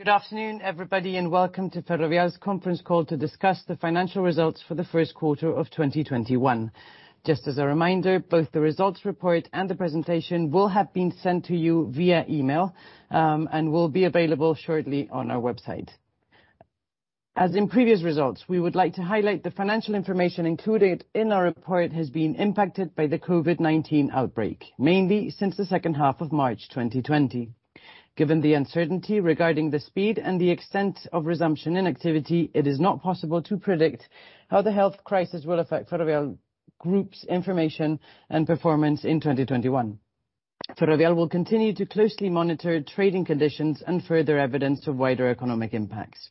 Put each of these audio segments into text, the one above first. Good afternoon, everybody, welcome to Ferrovial's conference call to discuss the financial results for the first quarter of 2021. Just as a reminder, both the results report and the presentation will have been sent to you via email, and will be available shortly on our website. As in previous results, we would like to highlight the financial information included in our report has been impacted by the COVID-19 outbreak, mainly since the second half of March 2020. Given the uncertainty regarding the speed and the extent of resumption in activity, it is not possible to predict how the health crisis will affect Ferrovial Group's information and performance in 2021. Ferrovial will continue to closely monitor trading conditions and further evidence of wider economic impacts.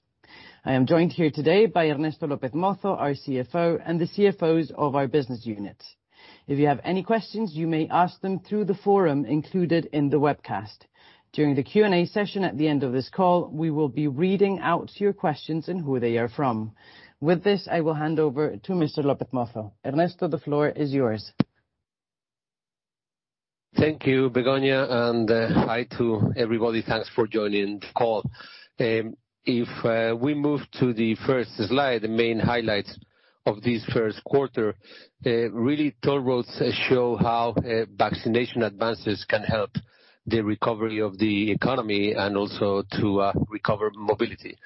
I am joined here today by Ernesto López-Mozo, our CFO, and the CFOs of our business units. If you have any questions, you may ask them through the forum included in the webcast. During the Q&A session at the end of this call, we will be reading out your questions and who they are from. With this, I will hand over to Mr. López-Mozo. Ernesto, the floor is yours. Thank you, Begoña. Hi to everybody. Thanks for joining the call. If we move to the first slide, the main highlights of this first quarter, really toll roads show how vaccination advances can help the recovery of the economy and also to recover mobility.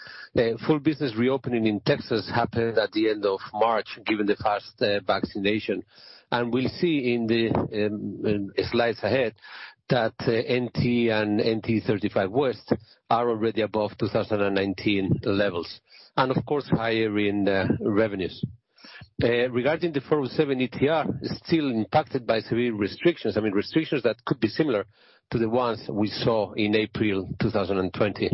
Full business reopening in Texas happened at the end of March, given the fast vaccination. We'll see in the slides ahead that NTE and NTE 35 West are already above 2019 levels, and of course, higher in revenues. Regarding the 407 ETR, still impacted by severe restrictions that could be similar to the ones we saw in April 2020.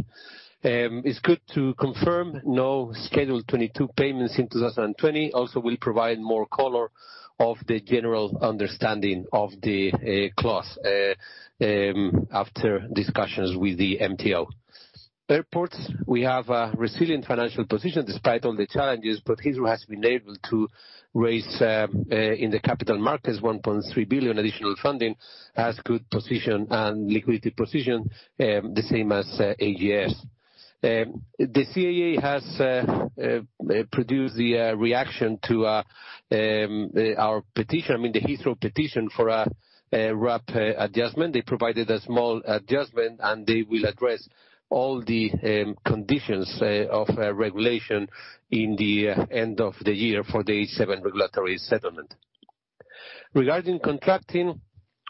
It's good to confirm no Schedule 22 payments in 2020. We also will provide more color of the general understanding of the clause after discussions with the MTO. Airports, we have a resilient financial position despite all the challenges. Heathrow has been able to raise in the capital markets 1.3 billion additional funding, has good position and liquidity position, the same as AGS. The CAA has produced the reaction to our petition, the Heathrow petition for a RAP adjustment. They provided a small adjustment, they will address all the conditions of regulation in the end of the year for the H7 regulatory settlement. Regarding contracting,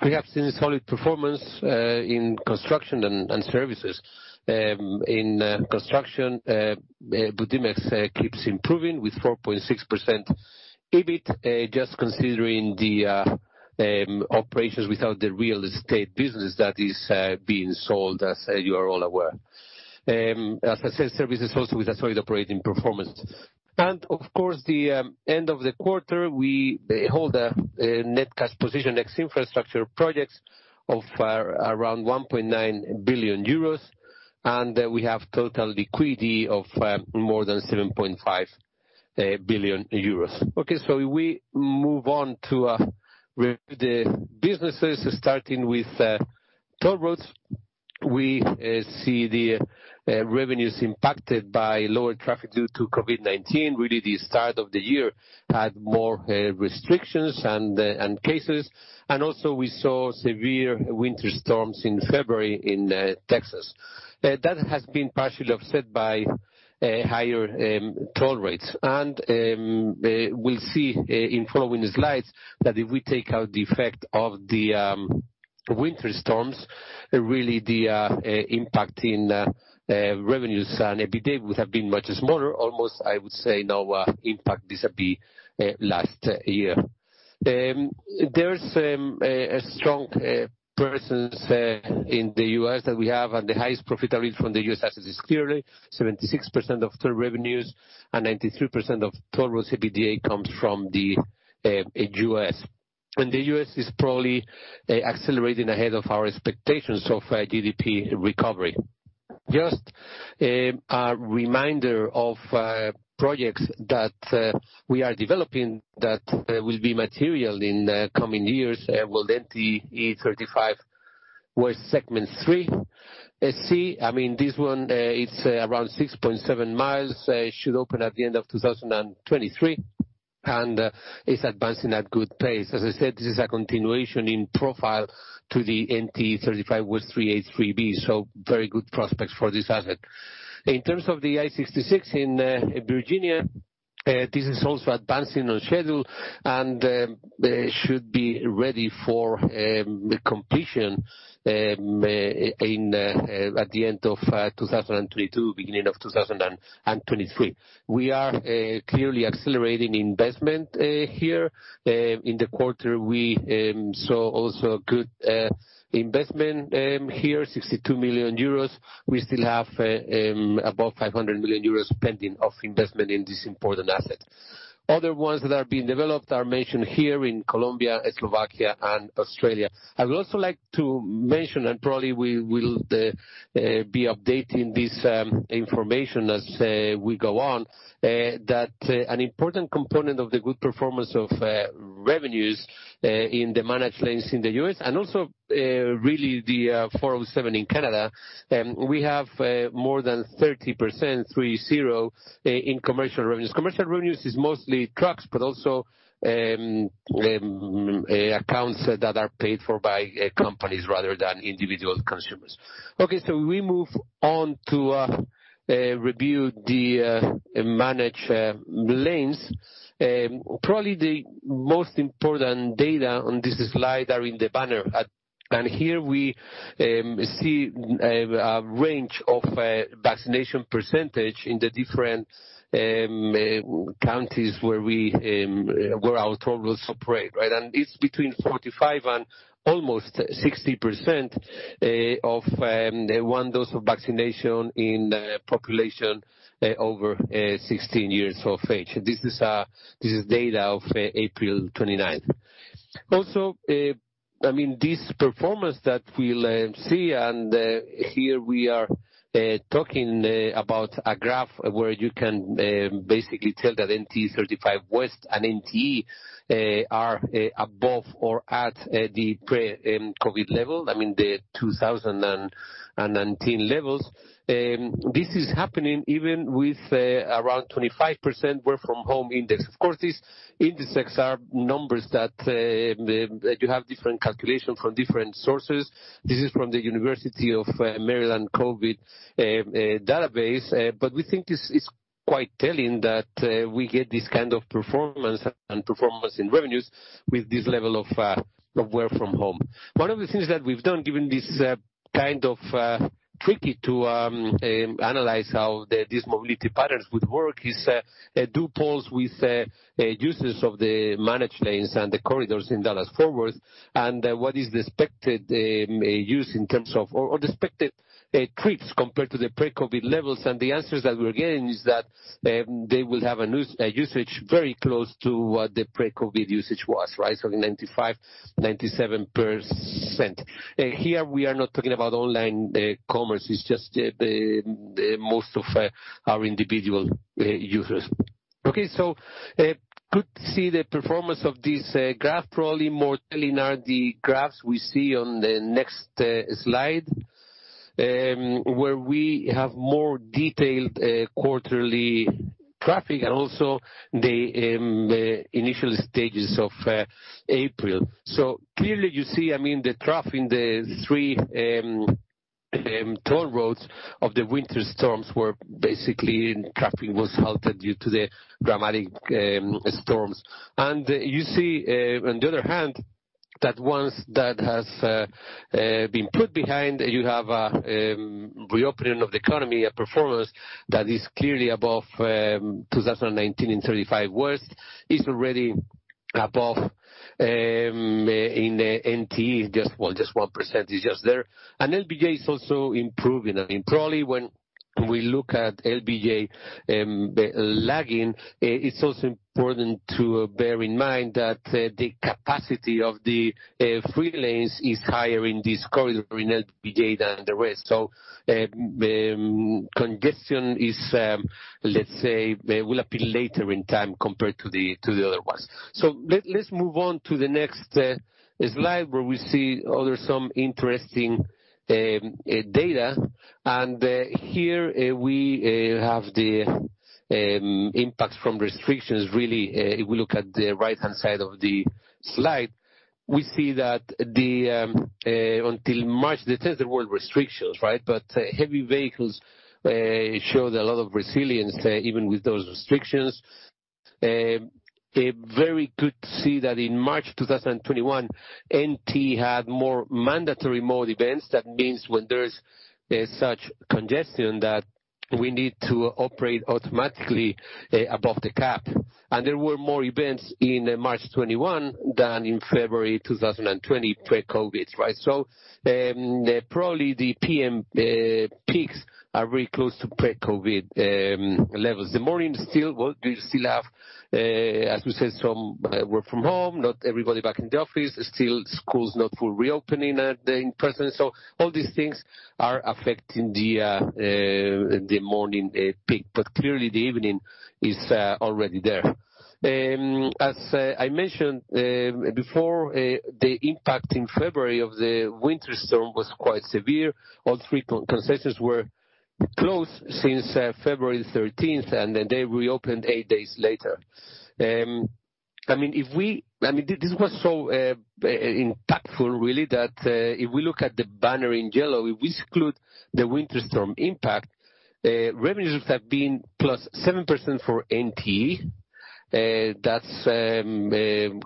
we have seen solid performance in construction and services. In construction, Budimex keeps improving with 4.6% EBIT, just considering the operations without the real estate business that is being sold, as you are all aware. As I said, services also with a solid operating performance. Of course, the end of the quarter, we hold a net cash position ex-infrastructure projects of around 1.9 billion euros, and we have total liquidity of more than 7.5 billion euros. We move on to review the businesses, starting with toll roads. We see the revenues impacted by lower traffic due to COVID-19. Really the start of the year had more restrictions and cases, and also we saw severe winter storms in February in Texas. That has been partially offset by higher toll rates, and we'll see in following slides that if we take out the effect of the winter storms, really the impact in revenues and EBITDA would have been much smaller. Almost, I would say, no impact vis-a-vis last year. There's a strong presence in the U.S. that we have, and the highest profit from the U.S. as it is clearly 76% of toll revenues and 93% of toll roads EBITDA comes from the U.S. The U.S. is probably accelerating ahead of our expectations of GDP recovery. Just a reminder of projects that we are developing that will be material in the coming years with NTE 35 West Segment 3C. This one, it's around 6.7 mi, should open at the end of 2023, and is advancing at good pace. As I said, this is a continuation in profile to the NTE 35 West 3A 3B, so very good prospects for this asset. In terms of the I-66 in Virginia, this is also advancing on schedule and should be ready for completion at the end of 2022, beginning of 2023. We are clearly accelerating investment here. In the quarter, we saw also good investment here, 62 million euros. We still have above 500 million euros pending of investment in this important asset. Other ones that are being developed are mentioned here in Colombia, Slovakia, and Australia. I would also like to mention, and probably we will be updating this information as we go on, that an important component of the good performance of revenues in the managed lanes in the U.S., and also really the 407 in Canada, we have more than 30%, three zero, in commercial revenues. Commercial revenues is mostly trucks, but also accounts that are paid for by companies rather than individual consumers. Okay. We move on to review the managed lanes. Probably the most important data on this slide are in the banner. Here we see a range of vaccination percentage in the different counties where our toll roads operate. It's between 45% and almost 60% of one dose of vaccination in the population over 16 years of age. This is data of April 29th. This performance that we see, and here we are talking about a graph where you can basically tell that NTE 35 West and NTE are above or at the pre-COVID level, I mean, the 2019 levels. This is happening even with around 25% work from home index. These indexes are numbers that you have different calculation from different sources. This is from the University of Maryland COVID-19 Impact Analysis Platform. We think this is quite telling that we get this kind of performance and performance in revenues with this level of work from home. One of the things that we've done, given this kind of tricky to analyze how these mobility patterns would work is do polls with users of the managed lanes and the corridors in Dallas-Fort Worth, what is the expected use in terms of, or the expected trips compared to the pre-COVID levels. The answers that we're getting is that they will have a usage very close to what the pre-COVID usage was. 95%-97%. Here we are not talking about online commerce, it's just most of our individual users. Okay. Good to see the performance of this graph. Probably more telling are the graphs we see on the next slide, where we have more detailed quarterly traffic and also the initial stages of April. Clearly you see the trough in the three toll roads of the winter storms were basically trapping was halted due to the dramatic storms. You see on the other hand that once that has been put behind, you have a reopening of the economy, a performance that is clearly above 2019 in 35 West. It's already above in NT, just 1%, it's just there. LBJ is also improving. Probably when we look at LBJ lagging, it's also important to bear in mind that the capacity of the free lanes is higher in this corridor in LBJ than the rest. Congestion, let's say, will appear later in time compared to the other ones. Let's move on to the next slide where we see other some interesting data. Here we have the impact from restrictions really, if we look at the right-hand side of the slide. We see that until March, there were restrictions. Heavy vehicles showed a lot of resilience even with those restrictions. Very good to see that in March 2021, NTE had more mandatory mode events. That means when there's such congestion that we need to operate automatically above the cap. There were more events in March 2021 than in February 2020 pre-COVID. Probably the PM peaks are very close to pre-COVID levels. The morning we still have, as we said, some work from home, not everybody back in the office, still schools not full reopening in person. All these things are affecting the morning peak. Clearly the evening is already there. As I mentioned before, the impact in February of the winter storm was quite severe. All three concessions were closed since February 13th, and then they reopened eight days later. This was so impactful really that if we look at the banner in yellow, if we exclude the winter storm impact, revenues have been plus 7% for NTE. That's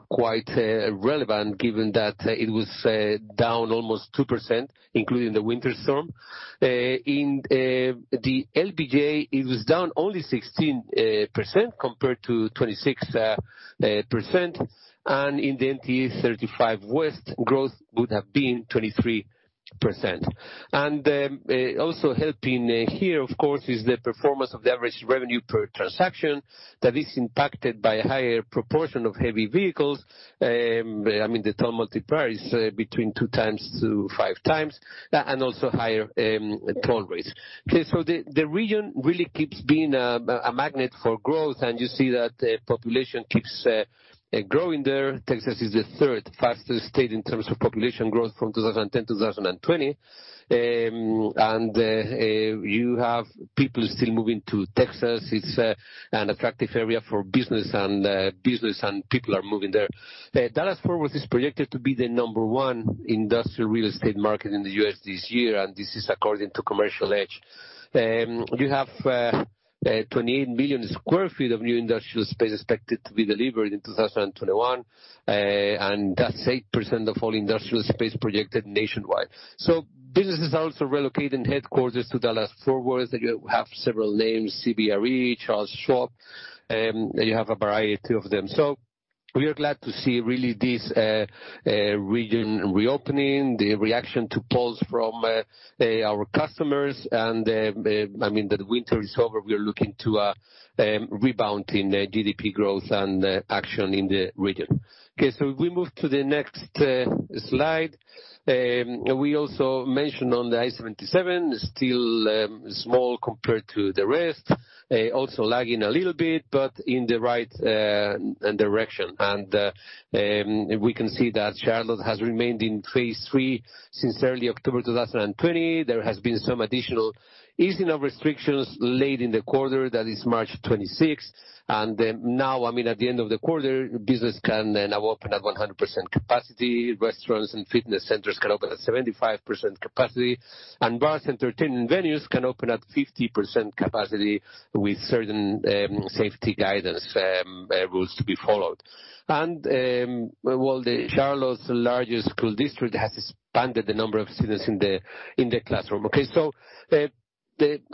quite relevant given that it was down almost 2% including the winter storm. In the LBJ, it was down only 16% compared to 26%, in the NTE 35 West growth would have been 23%. Also helping here, of course, is the performance of the average revenue per transaction that is impacted by a higher proportion of heavy vehicles. The toll multiplier is between two times to five times, also higher toll rates. Okay, the region really keeps being a magnet for growth, you see that population keeps growing there. Texas is the third fastest state in terms of population growth from 2010 to 2020. You have people still moving to Texas. It's an attractive area for business, and people are moving there. Dallas-Fort Worth is projected to be the number one industrial real estate market in the U.S. this year. This is according to CommercialEdge. You have 28 million square feet of new industrial space expected to be delivered in 2021. That's 8% of all industrial space projected nationwide. Businesses also relocating headquarters to Dallas-Fort Worth. You have several names, CBRE, Charles Schwab, you have a variety of them. We are glad to see, really this region reopening, the reaction to polls from our customers, and that winter is over. We are looking to a rebound in GDP growth and action in the region. Okay. We move to the next slide. We also mentioned on the I-77, still small compared to the rest. Also lagging a little bit, but in the right direction. We can see that Charlotte has remained in phase three since early October 2020. There has been some additional easing of restrictions late in the quarter, that is March 26th, and now at the end of the quarter, business can now open at 100% capacity. Restaurants and fitness centers can open at 75% capacity, and bars, entertainment venues can open at 50% capacity with certain safety guidance rules to be followed. Charlotte's largest school district has expanded the number of students in the classroom.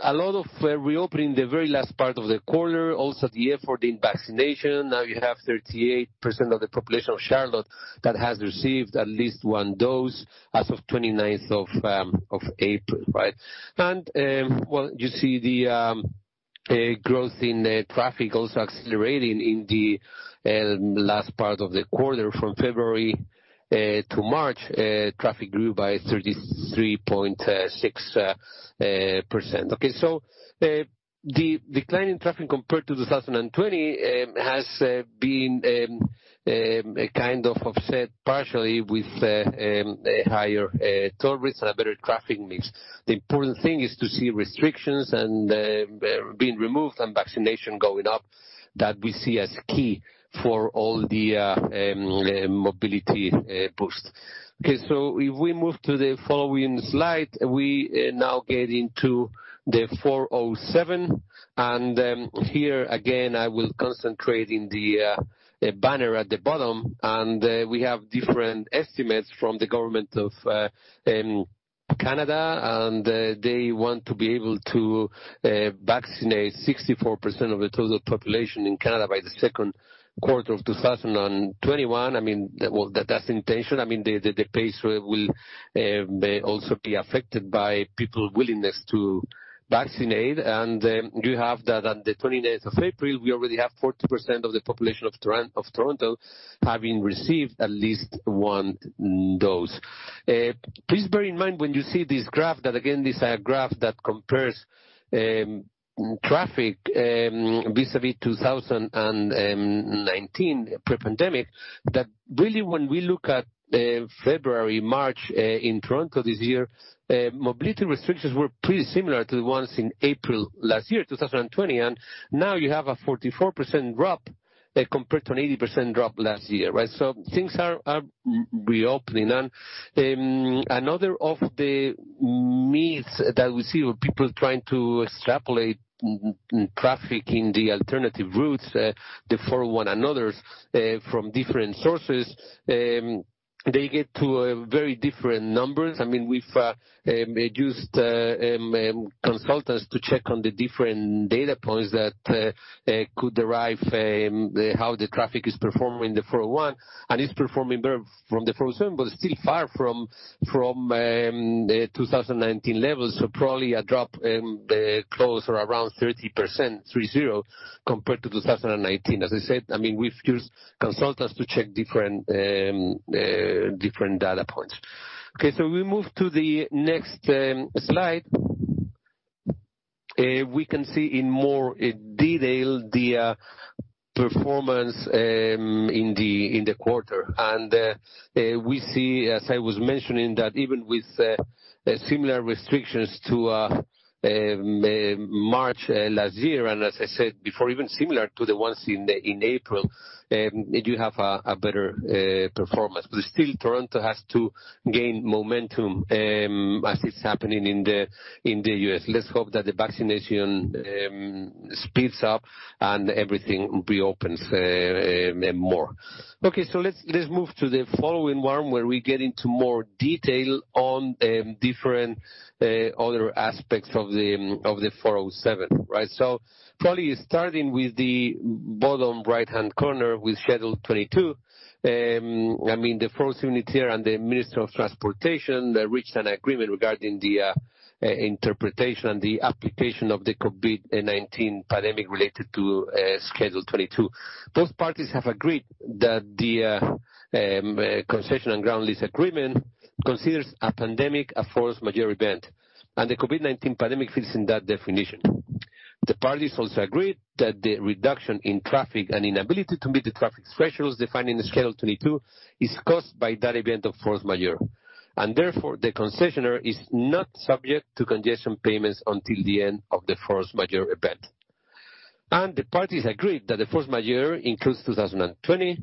A lot of reopening the very last part of the quarter. Also the effort in vaccination. Now you have 38% of the population of Charlotte that has received at least one dose as of 29th of April. Right? You see the growth in traffic also accelerating in the last part of the quarter. From February to March, traffic grew by 33.6%. The decline in traffic compared to 2020 has been kind of offset partially with higher toll rates and a better traffic mix. The important thing is to see restrictions being removed and vaccination going up, that we see as key for all the mobility boost. If we move to the following slide, we now get into the 407, and here again, I will concentrate in the banner at the bottom. We have different estimates from the Government of Canada, and they want to be able to vaccinate 64% of the total population in Canada by the second quarter of 2021. Well, that's the intention. The pace will also be affected by people willingness to vaccinate. You have that on the 29th of April, we already have 40% of the population of Toronto having received at least one dose. Please bear in mind when you see this graph, that again this is a graph that compares traffic vis-a-vis 2019 pre-pandemic, that really when we look at February, March in Toronto this year, mobility restrictions were pretty similar to the ones in April last year, 2020. Now you have a 44% drop compared to an 80% drop last year. Right? Things are reopening. Another of the myths that we see with people trying to extrapolate traffic in the alternative routes, the 401 and others from different sources, they get to very different numbers. We've used consultants to check on the different data points that could derive how the traffic is performing in the 401, and it's performing better from the 407, but still far from 2019 levels. Probably a drop closer around 30% compared to 2019. As I said, we've used consultants to check different data points. We move to the next slide. We can see in more detail the performance in the quarter. We see, as I was mentioning, that even with similar restrictions to March last year, as I said before, even similar to the ones in April, you have a better performance. Still Toronto has to gain momentum as it's happening in the U.S. Let's hope that the vaccination speeds up and everything reopens more. Let's move to the following one where we get into more detail on different other aspects of the 407. Right? Probably starting with the bottom right-hand corner with Schedule 22. The 407 ETR and the Ministry of Transportation reached an agreement regarding the interpretation and the application of the COVID-19 pandemic related to Schedule 22. Both parties have agreed that the concession and ground lease agreement considers a pandemic a force majeure event, and the COVID-19 pandemic fits in that definition. The parties also agreed that the reduction in traffic and inability to meet the traffic schedules defined in Schedule 22 is caused by that event of force majeure, and therefore the concessionaire is not subject to congestion payments until the end of the force majeure event. The parties agreed that the force majeure includes 2020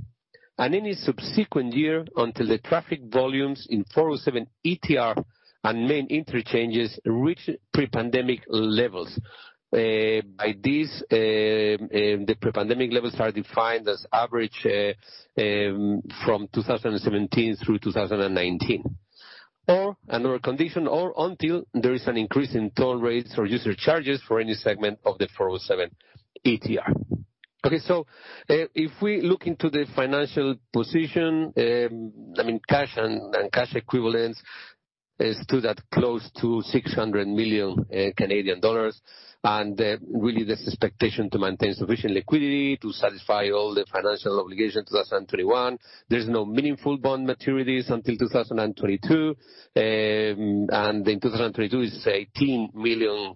and any subsequent year until the traffic volumes in 407 ETR and main interchanges reach pre-pandemic levels. By this, the pre-pandemic levels are defined as average from 2017 through 2019, or another condition, or until there is an increase in toll rates or user charges for any segment of the 407 ETR. If we look into the financial position, cash and cash equivalents is still that close to CAD 600 million. Really, there's expectation to maintain sufficient liquidity to satisfy all the financial obligations, 2021. There's no meaningful bond maturities until 2022. In 2022, it's 18 million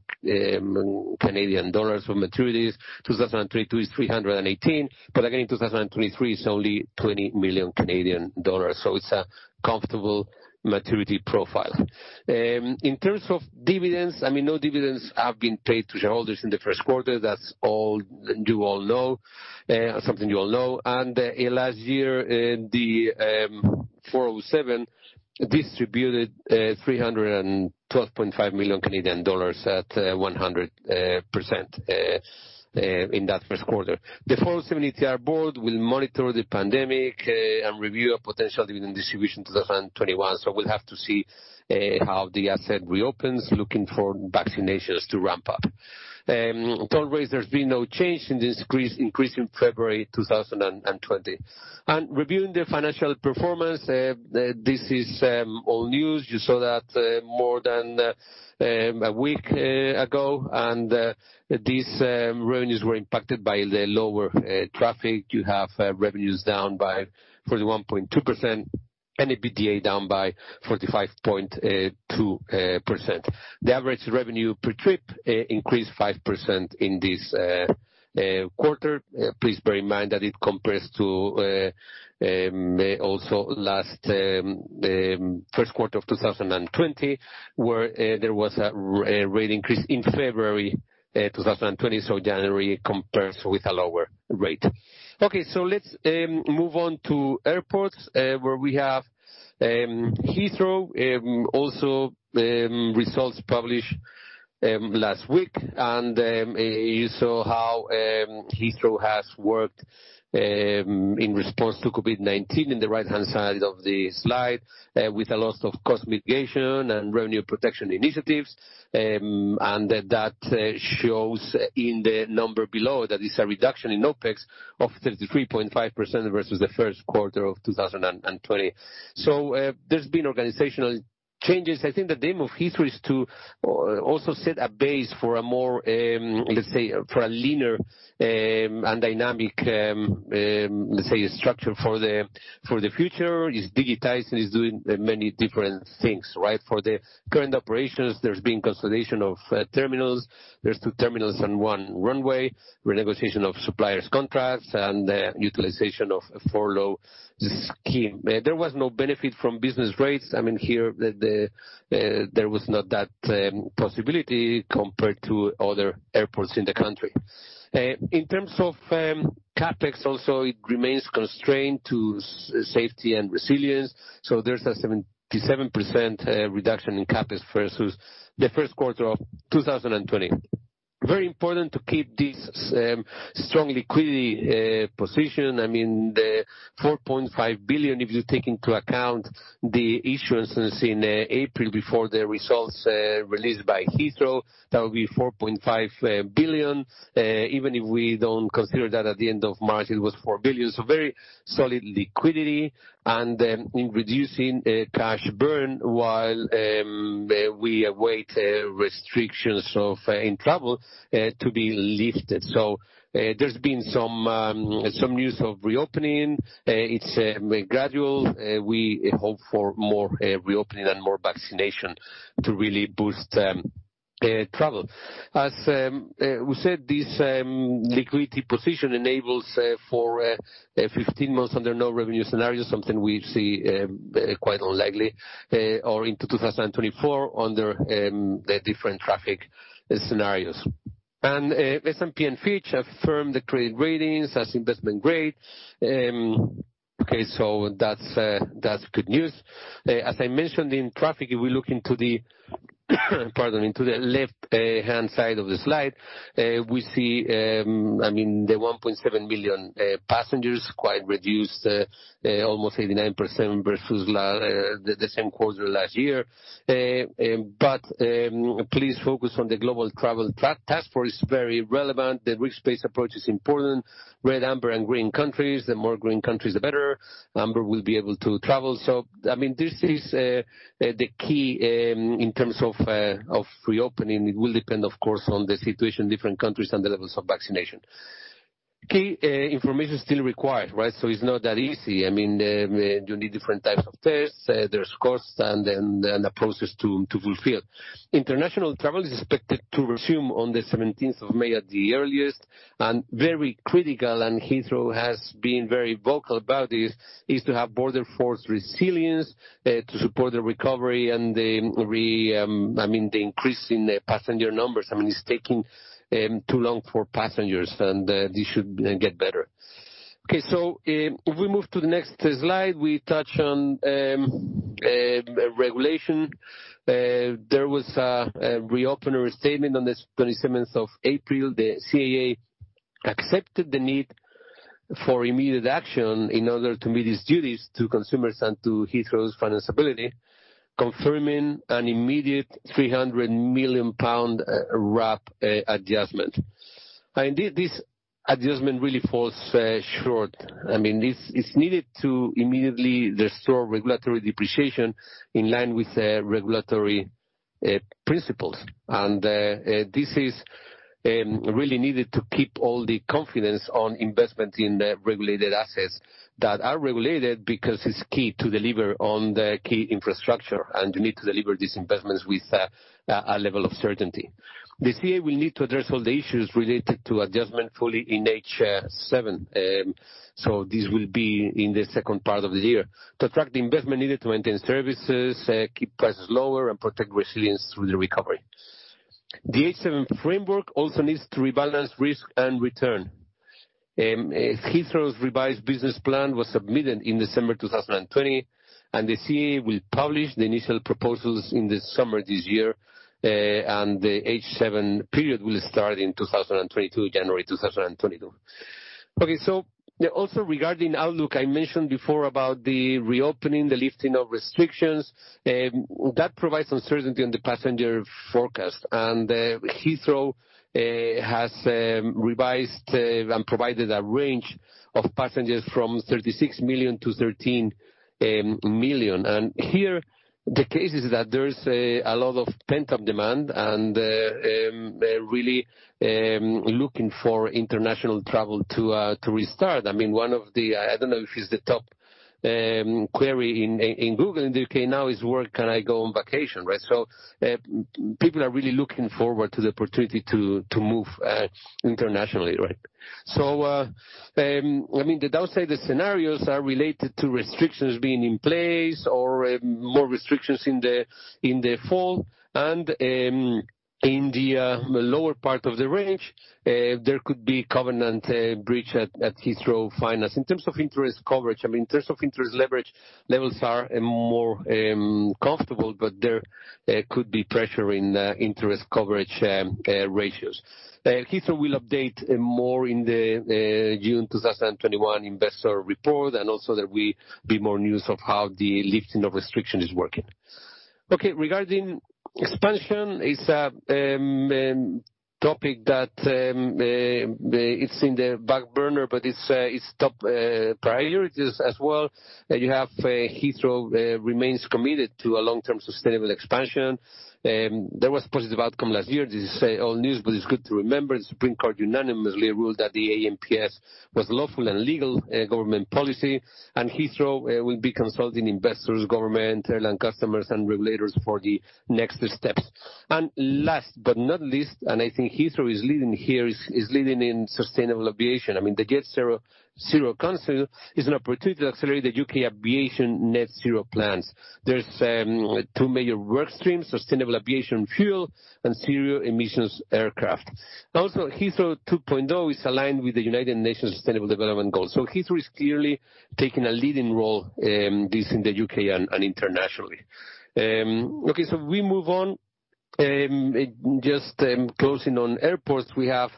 Canadian dollars for maturities. 2023 is 318, again, in 2023, it's only 20 million Canadian dollars, it's a comfortable maturity profile. In terms of dividends, no dividends have been paid to shareholders in the first quarter. That's something you all know. Last year, the 407 distributed 312.5 million Canadian dollars at 100% in that first quarter. The 407 ETR board will monitor the pandemic and review a potential dividend distribution 2021. We'll have to see how the asset reopens, looking for vaccinations to ramp up. Toll rates, there's been no change since increase in February 2020. Reviewing the financial performance, this is old news. You saw that more than a week ago. These revenues were impacted by the lower traffic. You have revenues down by 41.2%, and EBITDA down by 45.2%. The average revenue per trip increased 5% in this quarter. Please bear in mind that it compares to also first quarter of 2020, where there was a rate increase in February 2020. January compares with a lower rate. Okay, let's move on to airports, where we have Heathrow, also results published last week. You saw how Heathrow has worked in response to COVID-19 in the right-hand side of the slide, with a lot of cost mitigation and revenue protection initiatives. That shows in the number below, that is a reduction in OPEX of 33.5% versus the first quarter of 2020. There's been organizational changes. I think the theme of Heathrow is to also set a base for a more, let's say, for a leaner and dynamic structure for the future. It's digitizing. It's doing many different things. For the current operations, there's been consolidation of terminals. There's two terminals and one runway, renegotiation of suppliers' contracts, and utilization of furlough scheme. There was no benefit from business rates. Here, there was not that possibility compared to other airports in the country. In terms of CapEx also, it remains constrained to safety and resilience, so there's a 77% reduction in CapEx versus the first quarter of 2020. Very important to keep this strong liquidity position. The 4.5 billion, if you take into account the issuances in April before the results released by Heathrow, that would be 4.5 billion. Even if we don't consider that, at the end of March, it was 4 billion. Very solid liquidity, and then reducing cash burn while we await restrictions in travel to be lifted. There's been some news of reopening. It's gradual. We hope for more reopening and more vaccination to really boost travel. As we said, this liquidity position enables for 15 months under no revenue scenario, something we see quite unlikely, or into 2024 under the different traffic scenarios. S&P and Fitch affirmed the credit ratings as investment grade. That's good news. As I mentioned in traffic, if we look into the left-hand side of the slide, we see the 1.7 million passengers, quite reduced, almost 89% versus the same quarter last year. Please focus on the Global Travel Taskforce, very relevant. The risk-based approach is important. Red, amber, and green countries. The more green countries, the better. Amber will be able to travel. This is the key in terms of reopening. It will depend, of course, on the situation in different countries and the levels of vaccination. Key information is still required. It's not that easy. You need different types of tests, there's costs, and a process to fulfill. International travel is expected to resume on the 17th of May at the earliest, very critical, Heathrow has been very vocal about this, is to have border force resilience to support the recovery and the increase in passenger numbers. It's taking too long for passengers and this should get better. If we move to the next slide, we touch on regulation. There was a reopening statement on the 27th of April. The CAA accepted the need for immediate action in order to meet its duties to consumers and to Heathrow's finance ability, confirming an immediate 300 million pound RAP adjustment. Indeed, this adjustment really falls short. It's needed to immediately restore regulatory depreciation in line with regulatory principles. This is really needed to keep all the confidence on investment in the regulated assets that are regulated because it's key to deliver on the key infrastructure, and you need to deliver these investments with a level of certainty. The CAA will need to address all the issues related to adjustment fully in H7, so this will be in the second part of the year, to attract the investment needed to maintain services, keep prices lower, and protect resilience through the recovery. The H7 framework also needs to rebalance risk and return. Heathrow's revised business plan was submitted in December 2020. The CAA will publish the initial proposals in the summer this year. The H7 period will start in January 2022. Okay. Also regarding outlook, I mentioned before about the reopening, the lifting of restrictions. That provides uncertainty on the passenger forecast. Heathrow has revised and provided a range of passengers from 36 million to 13 million. Here, the case is that there is a lot of pent-up demand and really looking for international travel to restart. One of the, I don't know if it's the top query in Google in the U.K. now, is, "Where can I go on vacation?" People are really looking forward to the opportunity to move internationally. The downside scenarios are related to restrictions being in place or more restrictions in the fall. In the lower part of the range, there could be covenant breach at Heathrow Finance. In terms of interest coverage, in terms of interest leverage, levels are more comfortable, but there could be pressure in interest coverage ratios. Heathrow will update more in the June 2021 investor report, and also there will be more news of how the lifting of restriction is working. Okay, regarding expansion, it's a topic that it's in the back burner, but it's top priorities as well. You have Heathrow remains committed to a long-term sustainable expansion. There was a positive outcome last year. This is old news, but it's good to remember. The Supreme Court unanimously ruled that the ANPS was lawful and legal government policy. Heathrow will be consulting investors, government, airline customers, and regulators for the next steps. Last but not least, and I think Heathrow is leading here, is leading in sustainable aviation. The Jet Zero Council is an opportunity to accelerate the U.K. aviation net zero plans. There's two major work streams, sustainable aviation fuel and zero emissions aircraft. Heathrow 2.0 is aligned with the United Nations Sustainable Development Goals. Heathrow is clearly taking a leading role, this in the U.K. and internationally. We move on. Just closing on airports, we have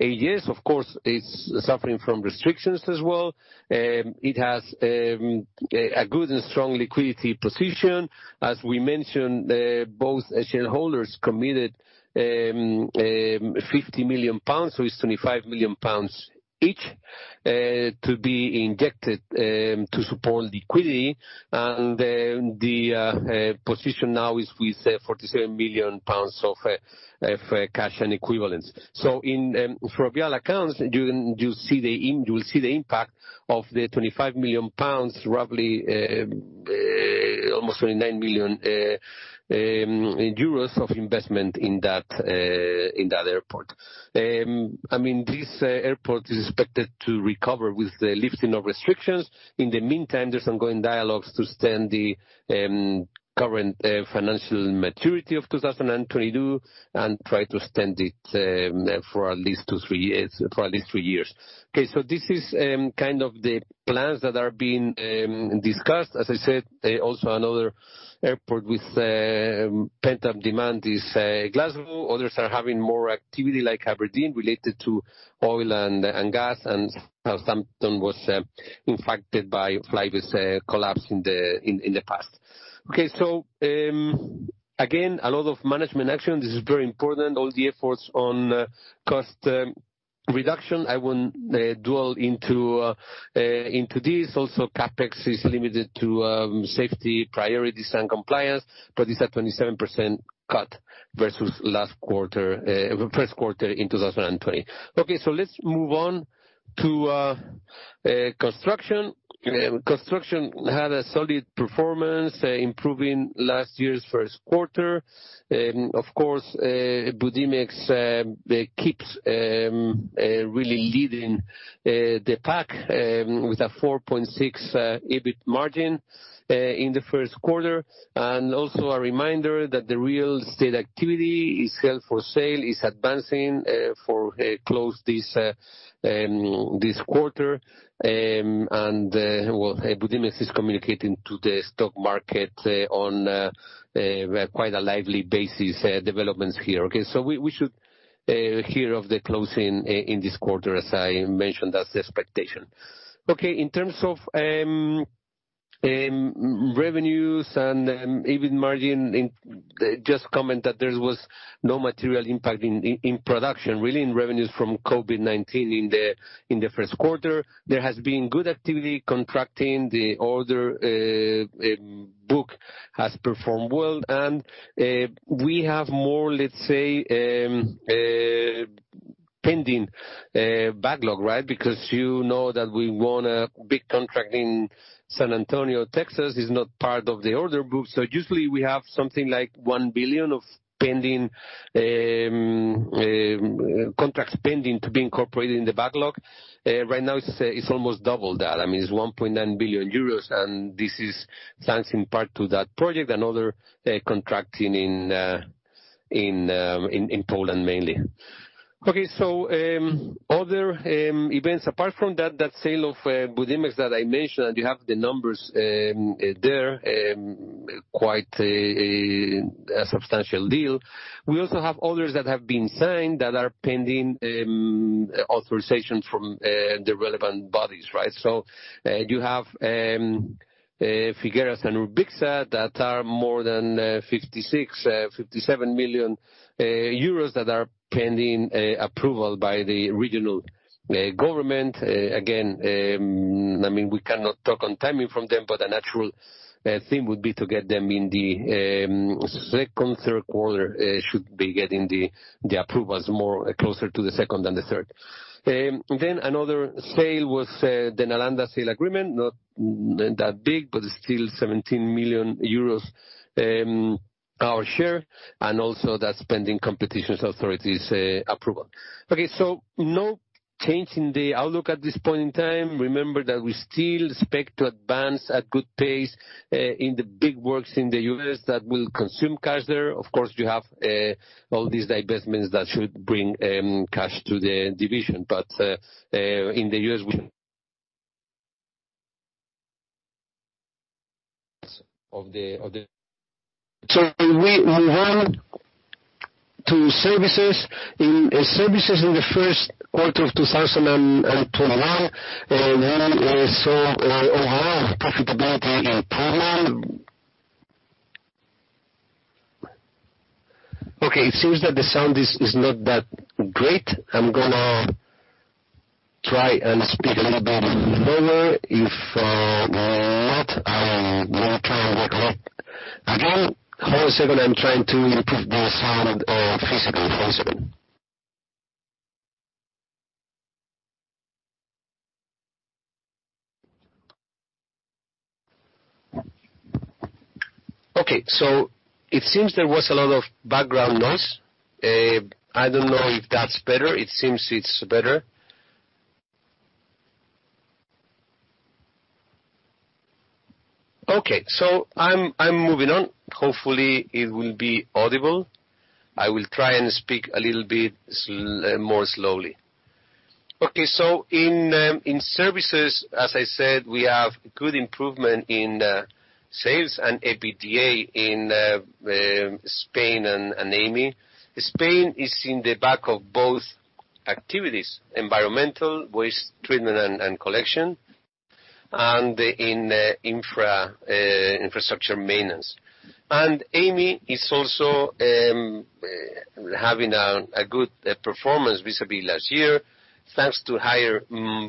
AGS, of course, it's suffering from restrictions as well. It has a good and strong liquidity position. As we mentioned, both shareholders committed 50 million pounds, it's 25 million pounds each, to be injected to support liquidity. The position now is with 47 million pounds of cash and equivalents. For overall accounts, you will see the impact of the 25 million pounds, roughly almost 29 million euros, of investment in that airport. This airport is expected to recover with the lifting of restrictions. In the meantime, there's ongoing dialogues to extend the current financial maturity of 2022 and try to extend it for at least three years. Okay, this is the plans that are being discussed. As I said, also another airport with pent-up demand is Glasgow. Others are having more activity like Aberdeen related to oil and gas, and Southampton was impacted by Flybe's collapse in the past. Okay, again, a lot of management action. This is very important. All the efforts on cost reduction. I won't dwell into this. Also, CapEx is limited to safety priorities and compliance, but it's at 27% cut versus first quarter in 2020. Okay. Let's move on to construction. Construction had a solid performance, improving last year's first quarter. Of course, Budimex keeps really leading the pack with a 4.6 EBIT margin in the first quarter. A reminder that the real estate activity is held for sale, is advancing for a close this quarter. Well, Budimex is communicating to the stock market on quite a lively basis developments here. We should hear of the closing in this quarter, as I mentioned, that's the expectation. In terms of revenues and EBIT margin, just comment that there was no material impact in production, really, in revenues from COVID-19 in the first quarter. There has been good activity contracting. The order book has performed well. We have more, let's say, pending backlog. Because you know that we won a big contract in San Antonio, Texas, it's not part of the order book. Usually we have something like 1 billion of contracts pending to be incorporated in the backlog. Right now it's almost double that. I mean, it's 1.9 billion euros. This is thanks in part to that project and other contracting in Poland, mainly. Okay. Other events, apart from that sale of Budimex that I mentioned, and you have the numbers there, quite a substantial deal. We also have others that have been signed that are pending authorization from the relevant bodies. You have Figueres and Urbicsa that are more than 57 million euros that are pending approval by the regional government. Again, we cannot talk on timing from them, but a natural thing would be to get them in the second, third quarter, should be getting the approvals more closer to the second than the third. Another sale was the Nalanda sale agreement, not that big, but still 17 million euros our share, and also that's pending competition authority's approval. No change in the outlook at this point in time. Remember that we still expect to advance at good pace in the big works in the U.S. that will consume cash there. Of course, you have all these divestments that should bring cash to the division. In the U.S., we move on to services. In services in the first quarter of 2021, we saw overall profitability problem. Okay, it seems that the sound is not that great. I'm going to try and speak a little bit louder. If not, I will try and get back. Hold on a second. I'm trying to improve the sound physically. [inaudible] Okay, it seems there was a lot of background noise. I don't know if that's better. It seems it's better. Okay. I'm moving on. Hopefully it will be audible. I will try and speak a little bit more slowly. Okay. In services, as I said, we have good improvement in sales and EBITDA in Spain and Amey. Spain is in the back of both activities, environmental, waste treatment, and collection, and in infrastructure maintenance. Amey is also having a good performance vis-à-vis last year, thanks to higher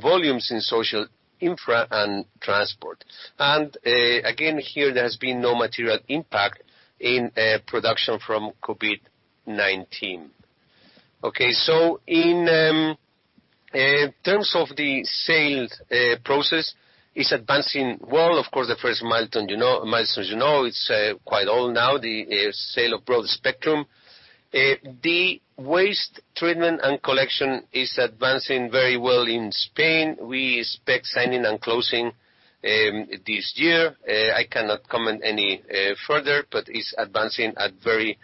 volumes in social infra and transport. Again, here, there has been no material impact in production from COVID-19. In terms of the sales process, it's advancing well. Of course, the first milestones you know, it's quite old now, the sale of Broadspectrum. The waste treatment and collection is advancing very well in Spain. We expect signing and closing this year. I cannot comment any further, but it's advancing at very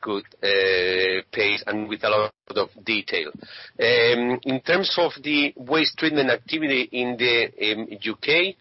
good pace and with a lot of detail. In terms of the waste treatment activity in the U.K.,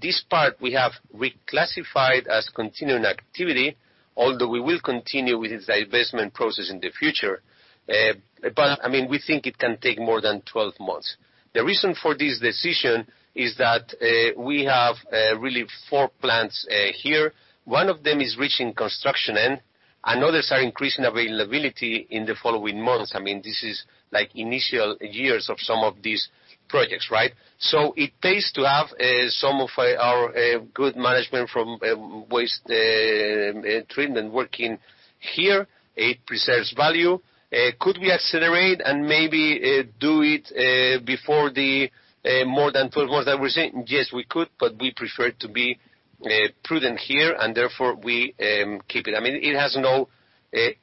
this part we have reclassified as continuing activity, although we will continue with this divestment process in the future. We think it can take more than 12 months. The reason for this decision is that we have really four plants here. One of them is reaching construction end, and others are increasing availability in the following months. This is initial years of some of these projects. It pays to have some of our good management from waste treatment working here. It preserves value. Could we accelerate and maybe do it before the more than 12 months that we're saying? Yes, we could, but we prefer to be prudent here, and therefore, we keep it. It has no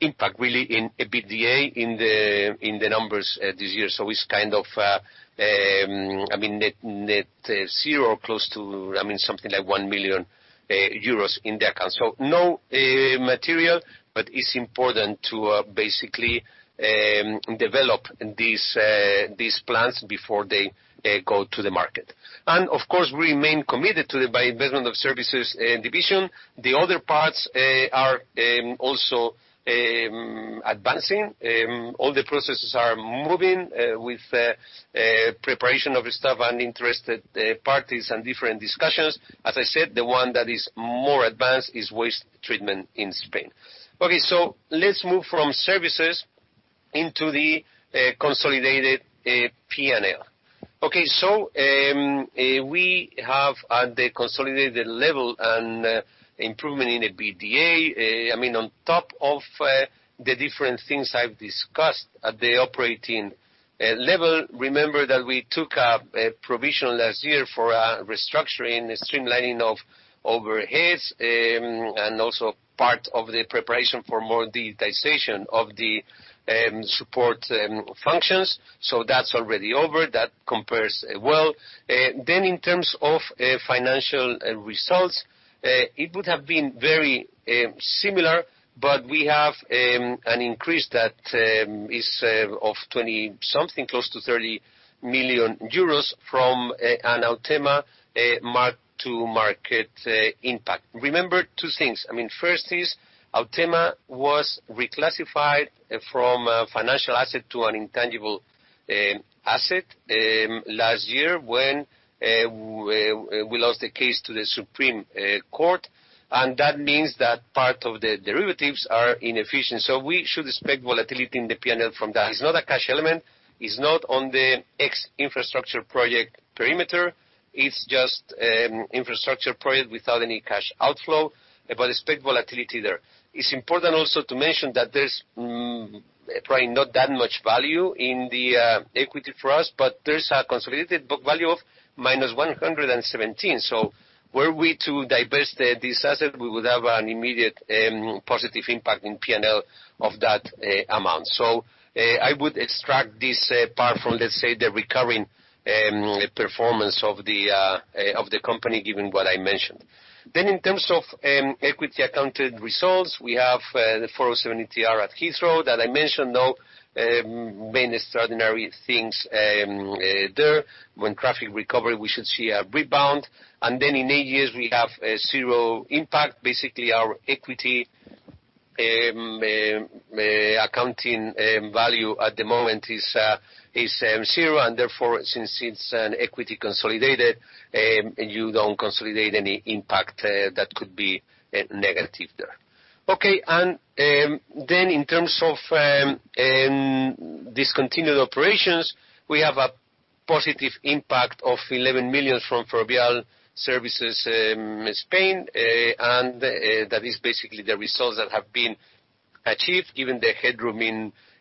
impact really in EBITDA in the numbers this year. It's kind of net zero or close to something like 1 million euros in the account. No material, it's important to basically develop these plans before they go to the market. Of course, we remain committed to the investment of services division. The other parts are also advancing. All the processes are moving with preparation of staff and interested parties and different discussions. As I said, the one that is more advanced is waste treatment in Spain. Okay. Let's move from services into the consolidated P&L. Okay, we have at the consolidated level an improvement in EBITDA. On top of the different things I've discussed at the operating level, remember that we took a provision last year for a restructuring and streamlining of overheads, and also part of the preparation for more digitization of the support functions. That's already over. That compares well. In terms of financial results, it would have been very similar, but we have an increase that is of 20 something, close to 30 million euros from an Autema mark-to-market impact. Remember two things. First is Autema was reclassified from a financial asset to an intangible asset last year when we lost the case to the Supreme Court, and that means that part of the derivatives are inefficient. We should expect volatility in the P&L from that. It's not a cash element. It's not on the ex-infrastructure project perimeter. It's just infrastructure project without any cash outflow, but expect volatility there. It's important also to mention that there's probably not that much value in the equity for us, but there's a consolidated book value of - 117. Were we to divest this asset, we would have an immediate positive impact in P&L of that amount. I would extract this part from, let's say, the recurring performance of the company, given what I mentioned. In terms of equity accounted results, we have the 407 ETR at Heathrow that I mentioned, no main extraordinary things there. When traffic recover, we should see a rebound. In AGS we have zero impact. Basically, our equity accounting value at the moment is zero, and therefore, since it's an equity consolidated, you don't consolidate any impact that could be negative there. Okay. In terms of discontinued operations, we have a positive impact of 11 million from Ferrovial Services Spain, that is basically the results that have been achieved, given the headroom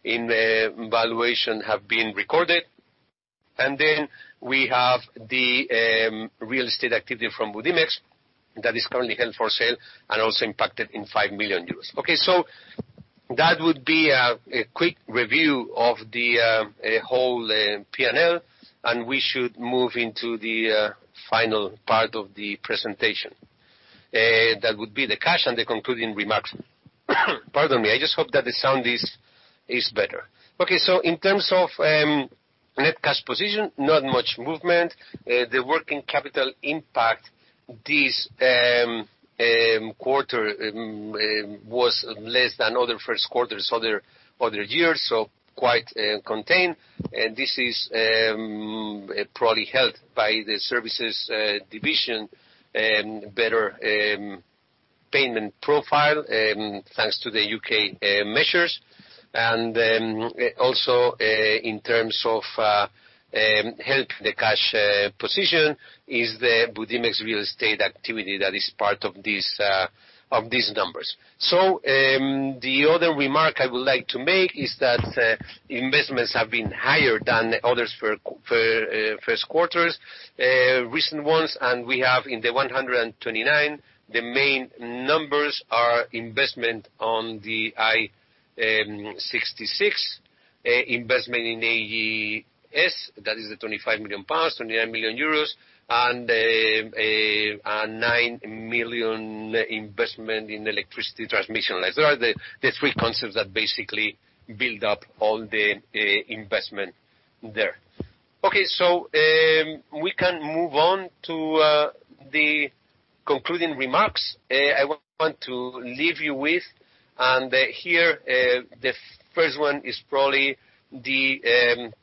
in valuation have been recorded. We have the real estate activity from Budimex that is currently held for sale and also impacted in 5 million euros. That would be a quick review of the whole P&L, we should move into the final part of the presentation. That would be the cash and the concluding remarks. Pardon me. I just hope that the sound is better. In terms of net cash position, not much movement. The working capital impact this quarter was less than other first quarters, other years, quite contained. This is probably helped by the services division better payment profile, thanks to the U.K. measures. In terms of helping the cash position is the Budimex real estate activity that is part of these numbers. The other remark I would like to make is that investments have been higher than others for first quarters, recent ones, and we have in the 129, the main numbers are investment on the I-66, investment in AGS, that is the 25 million pounds, 29 million euros, and a 9 million investment in electricity transmission lines. Those are the three concepts that basically build up all the investment there. We can move on to the concluding remarks I want to leave you with. The first one is probably the boost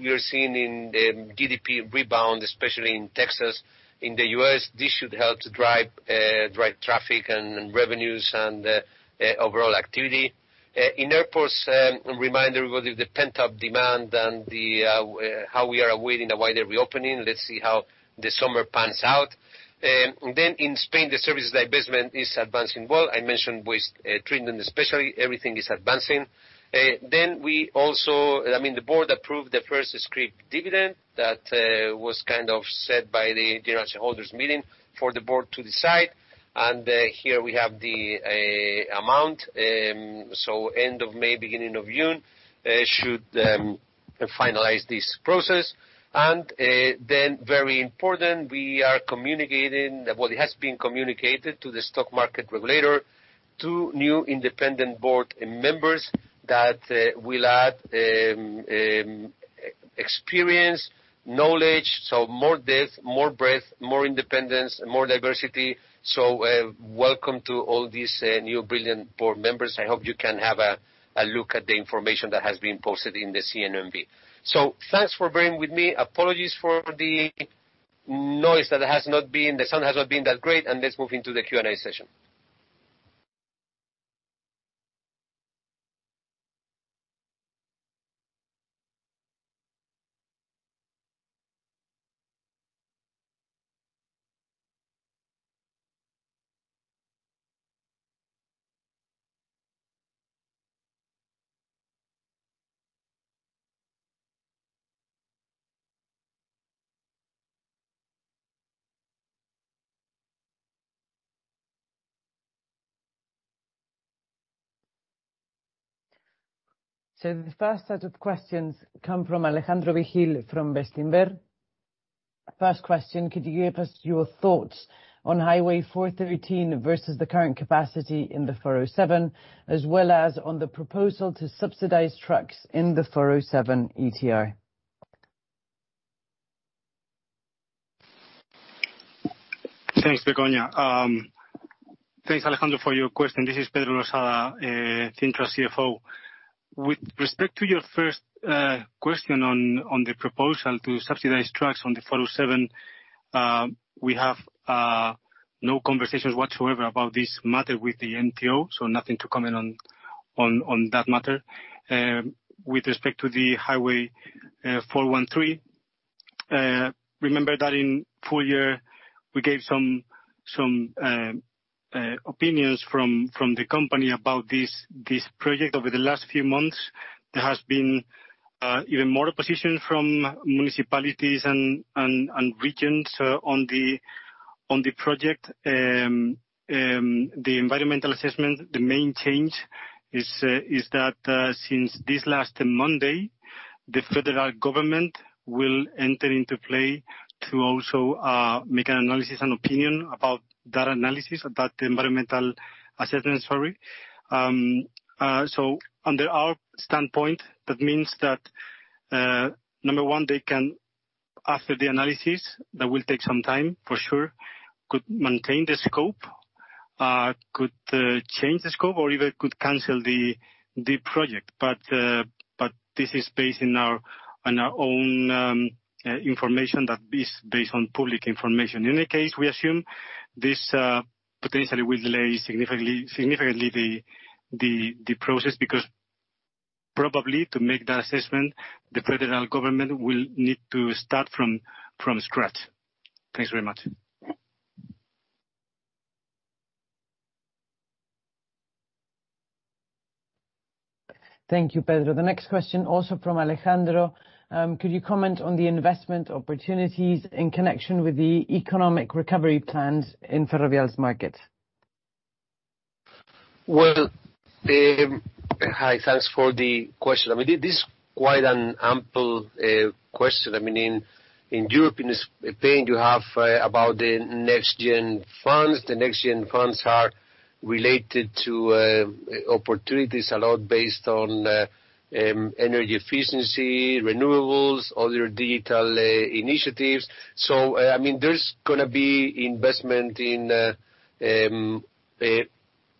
we are seeing in GDP rebound, especially in Texas, in the U.S. This should help to drive traffic and revenues and overall activity. In airports, a reminder with the pent-up demand and how we are awaiting a wider reopening. Let's see how the summer pans out. In Spain, the services divestment is advancing well. I mentioned waste treatment especially. Everything is advancing. The board approved the first scrip dividend that was kind of set by the general shareholders meeting for the board to decide. Here we have the amount. End of May, beginning of June should finalize this process. Very important, we are communicating, well, it has been communicated to the stock market regulator, two new independent board members that will add experience, knowledge, more depth, more breadth, more independence, more diversity. Welcome to all these new brilliant board members. I hope you can have a look at the information that has been posted in the CNMV. Thanks for bearing with me. Apologies for the noise, the sound has not been that great. Let's move into the Q&A session. The first set of questions come from Alejandro Vigil from Bestinver. First question, could you give us your thoughts on Highway 413 versus the current capacity in the 407, as well as on the proposal to subsidize trucks in the 407 ETR? Thanks, Begoña. Thanks, Alejandro, for your question. This is Pedro Losada, Cintra's CFO. With respect to your first question on the proposal to subsidize trucks on the 407, we have no conversations whatsoever about this matter with the MTO, so nothing to comment on that matter. With respect to the Highway 413, remember that in full year, we gave some opinions from the company about this project. Over the last few months, there has been even more opposition from municipalities and regions on the project. The environmental assessment, the main change is that, since this last Monday, the federal government will enter into play to also make an analysis and opinion about that environmental assessment. Under our standpoint, that means that, number one, they can, after the analysis, that will take some time for sure, could maintain the scope, could change the scope, or even could cancel the project. This is based on our own information that is based on public information. In any case, we assume this potentially will delay significantly the process, because probably to make that assessment, the federal government will need to start from scratch. Thanks very much. Thank you, Pedro. The next question, also from Alejandro. Could you comment on the investment opportunities in connection with the economic recovery plans in Ferrovial's market? Well, hi. Thanks for the question. This is quite an ample question. In European Spain, you have about the NextGen funds. The NextGen funds are related to opportunities a lot based on energy efficiency, renewables, other digital initiatives. There's going to be investment in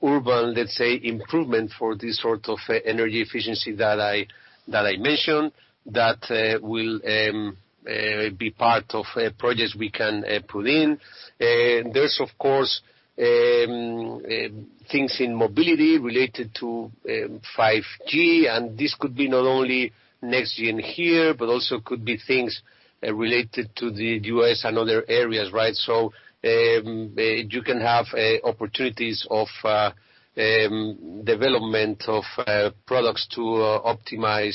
urban, let's say, improvement for this sort of energy efficiency that I mentioned. That will be part of projects we can put in. There's of course, things in mobility related to 5G, and this could be not only NextGen here, but also could be things related to the U.S. and other areas, right? You can have opportunities of development of products to optimize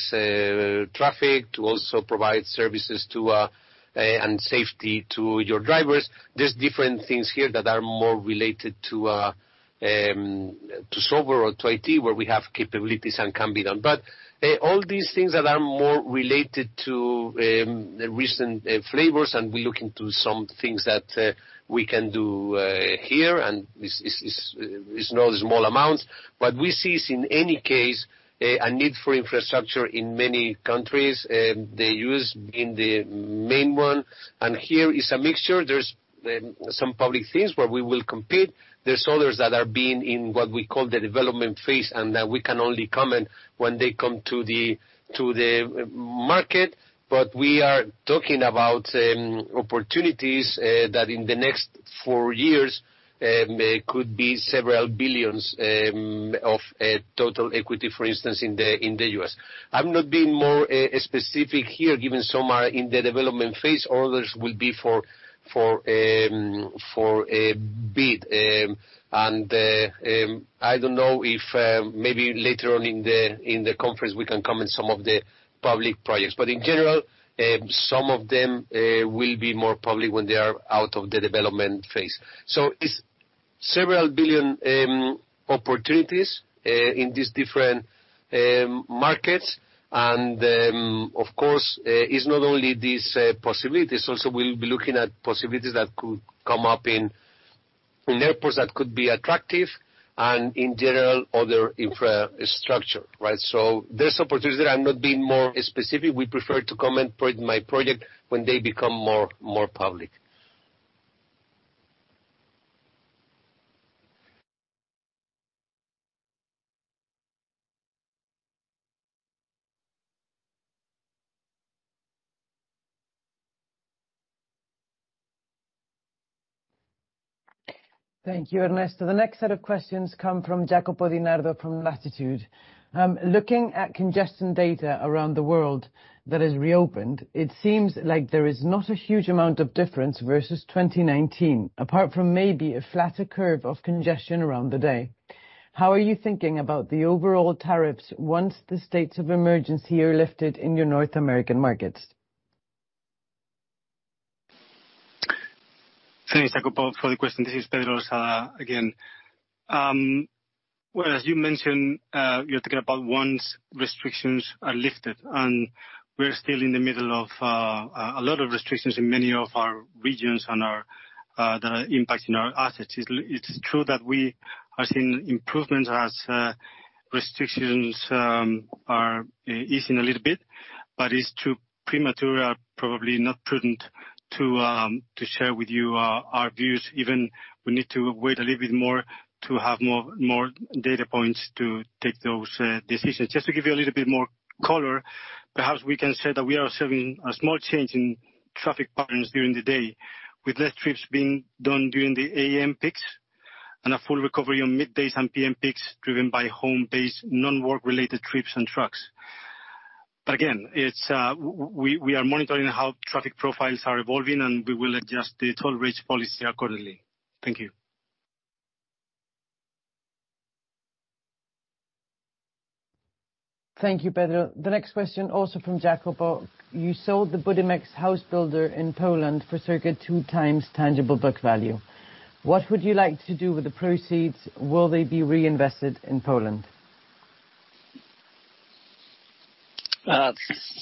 traffic, to also provide services and safety to your drivers. There's different things here that are more related to software or to IT, where we have capabilities and can be done. All these things that are more related to recent flavors, and we look into some things that we can do here, and it's not a small amount. We see, in any case, a need for infrastructure in many countries. The U.S. being the main one. Here is a mixture. There's some public things where we will compete. There's others that are being in what we call the development phase, and that we can only comment when they come to the market. We are talking about opportunities, that in the next four years could be several billions of total equity, for instance, in the U.S. I'm not being more specific here, given some are in the development phase, others will be for a bid. I don't know if maybe later on in the conference we can comment some of the public projects. In general, some of them will be more public when they are out of the development phase. It's several billion opportunities in these different markets. Of course, it's not only these possibilities, also we'll be looking at possibilities that could come up in airports that could be attractive, and in general, other infrastructure. There's opportunities there. I'm not being more specific. We prefer to comment by project when they become more public. Thank you, Ernesto. The next set of questions come from Jacopo Di Nardo from Latitude. Looking at congestion data around the world that has reopened, it seems like there is not a huge amount of difference versus 2019, apart from maybe a flatter curve of congestion around the day. How are you thinking about the overall tariffs once the states of emergency are lifted in your North American markets? Thanks, Jacopo, for the question. This is Pedro Losada again. Well, as you mentioned, you're talking about once restrictions are lifted, and we're still in the middle of a lot of restrictions in many of our regions and the impact in our assets. It's true that we are seeing improvements as restrictions are easing a little bit, but it's too premature, probably not prudent, to share with you our views. Even we need to wait a little bit more to have more data points to take those decisions. Just to give you a little bit more color, perhaps we can say that we are observing a small change in traffic patterns during the day, with less trips being done during the AM peaks, and a full recovery on middays and PM peaks driven by home-based, non-work-related trips and trucks. Again, we are monitoring how traffic profiles are evolving, and we will adjust the toll rates policy accordingly. Thank you. Thank you, Pedro. The next question also from Jacopo. You sold the Budimex house builder in Poland for circa two times tangible book value. What would you like to do with the proceeds? Will they be reinvested in Poland?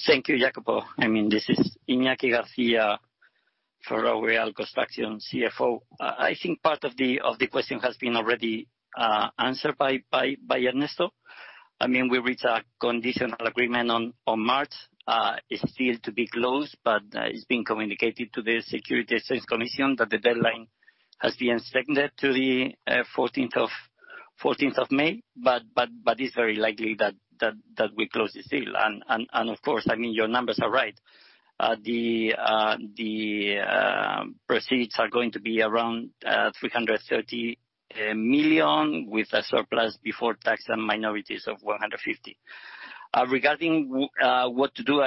Thank you, Jacopo. This is Iñaki Garcia, Ferrovial Construction CFO. I think part of the question has been already answered by Ernesto. We reached a conditional agreement on March. It is still to be closed, but it has been communicated to the Securities and Exchange Commission that the deadline has been extended to the 14th of May. It is very likely that we close this deal. Your numbers are right. The proceeds are going to be around 330 million, with a surplus before tax and minorities of 150 million. Regarding what to do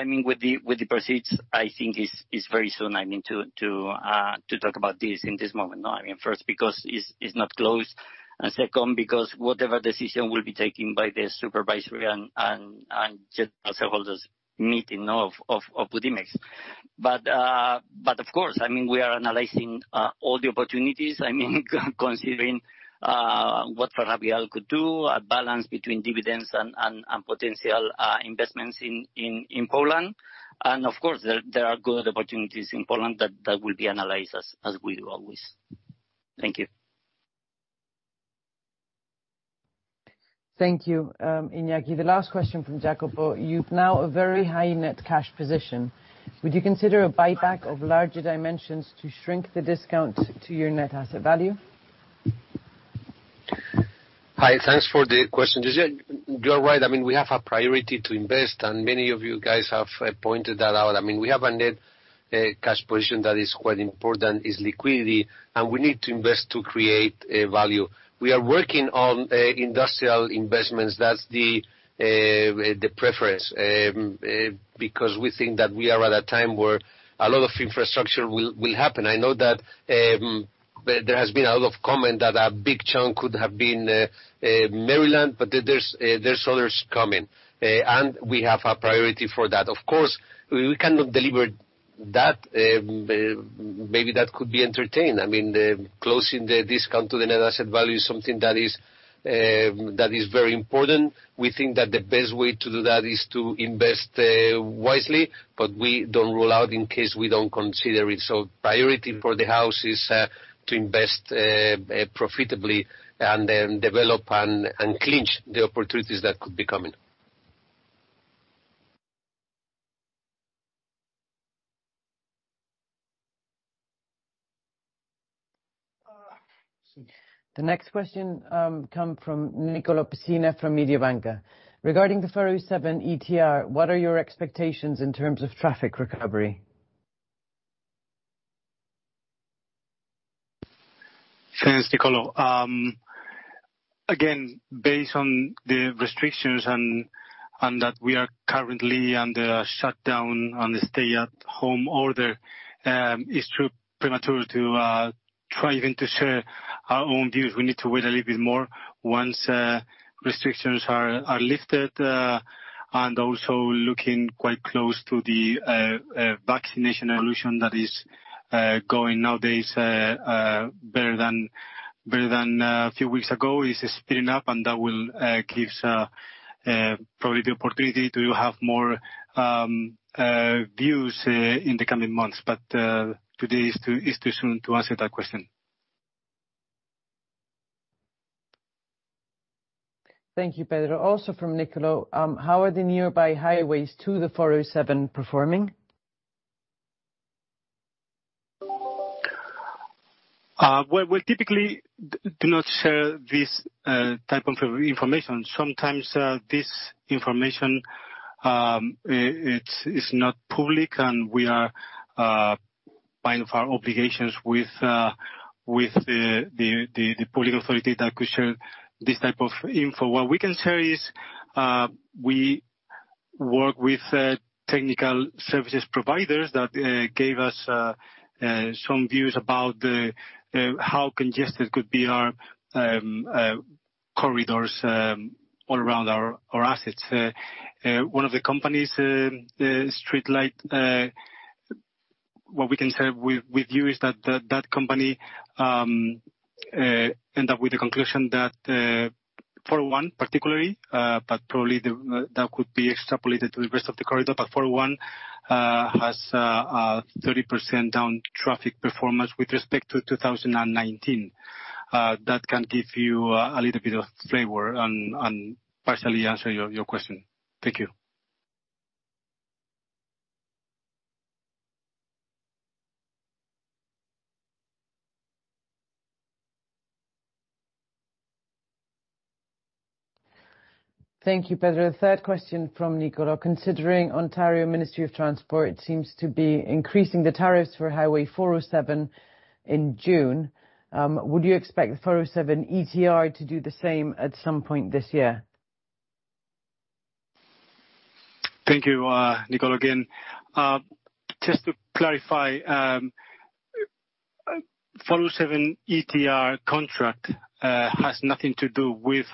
with the proceeds, I think it is very soon to talk about this in this moment. First, because it is not closed, and second, because whatever decision will be taken by the supervisory and general shareholders meeting of Budimex. Of course, we are analyzing all the opportunities, considering what Ferrovial could do, a balance between dividends and potential investments in Poland. Of course, there are good opportunities in Poland that will be analyzed as we do always. Thank you. Thank you, Iñaki. The last question from Jacopo. You've now a very high net cash position. Would you consider a buyback of larger dimensions to shrink the discount to your net asset value? Hi, thanks for the question. You're right, we have a priority to invest, and many of you guys have pointed that out. We have a net cash position that is quite important. It's liquidity, and we need to invest to create value. We are working on industrial investments. That's the preference, because we think that we are at a time where a lot of infrastructure will happen. I know that there has been a lot of comment that a big chunk could have been Maryland, but there's others coming. We have a priority for that. Of course, we cannot deliver that. Maybe that could be entertained. Closing the discount to the net asset value is something that is very important. We think that the best way to do that is to invest wisely, but we don't rule out in case we don't consider it. Priority for the house is to invest profitably and then develop and clinch the opportunities that could be coming. The next question comes from Nicolo Pessina from Mediobanca. Regarding the 407 ETR, what are your expectations in terms of traffic recovery? Thanks, Nicolo. Again, based on the restrictions and that we are currently under a shutdown and a stay-at-home order, it's too premature to share our own views. We need to wait a little bit more once restrictions are lifted, and also looking quite close to the vaccination evolution that is going nowadays better than a few weeks ago. It's speeding up, and that will give probably the opportunity to have more views in the coming months. Today is too soon to answer that question. Thank you, Pedro. Also from Nicolo, "How are the nearby highways to the 407 performing? We typically do not share this type of information. Sometimes this information is not public, and we are bound for our obligations with the public authority that could share this type of info. What we can share is we work with technical services providers that gave us some views about how congested could be our corridors all around our assets. One of the companies, StreetLight Data, what we can share with you is that that company end up with the conclusion that 401 particularly, but probably that could be extrapolated to the rest of the corridor, 401 has a 30% down traffic performance with respect to 2019. That can give you a little bit of flavor and partially answer your question. Thank you. Thank you, Pedro. Third question from Nicolo, "Considering Ministry of Transportation of Ontario seems to be increasing the tariffs for Highway 407 in June, would you expect the 407 ETR to do the same at some point this year? Thank you, Nicolo, again. Just to clarify, 407 ETR contract has nothing to do with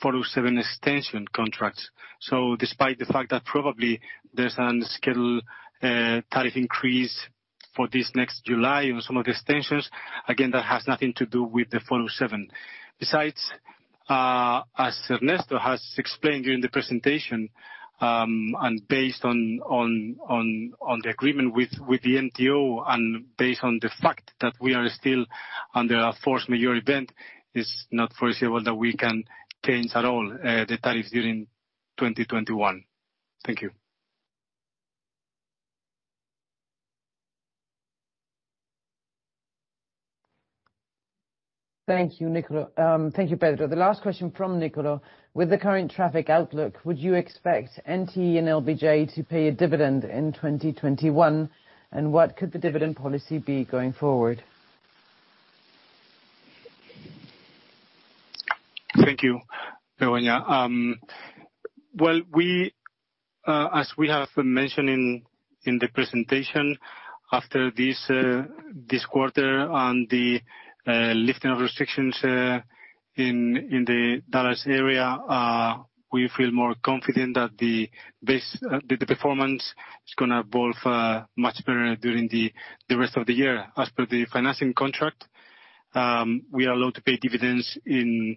407 extension contracts. Despite the fact that probably there's a scheduled tariff increase for this next July on some of the extensions, again, that has nothing to do with the 407. Besides, as Ernesto has explained during the presentation, and based on the agreement with the MTO, and based on the fact that we are still under a force majeure event, it's not foreseeable that we can change at all the tariffs during 2021. Thank you. Thank you, Pedro. The last question from Nicolo, "With the current traffic outlook, would you expect NTE and LBJ to pay a dividend in 2021, and what could the dividend policy be going forward? Thank you, Begoña. Well, as we have mentioned in the presentation, after this quarter and the lifting of restrictions in the Dallas area, we feel more confident that the performance is going to evolve much better during the rest of the year. As per the financing contract, we are allowed to pay dividends in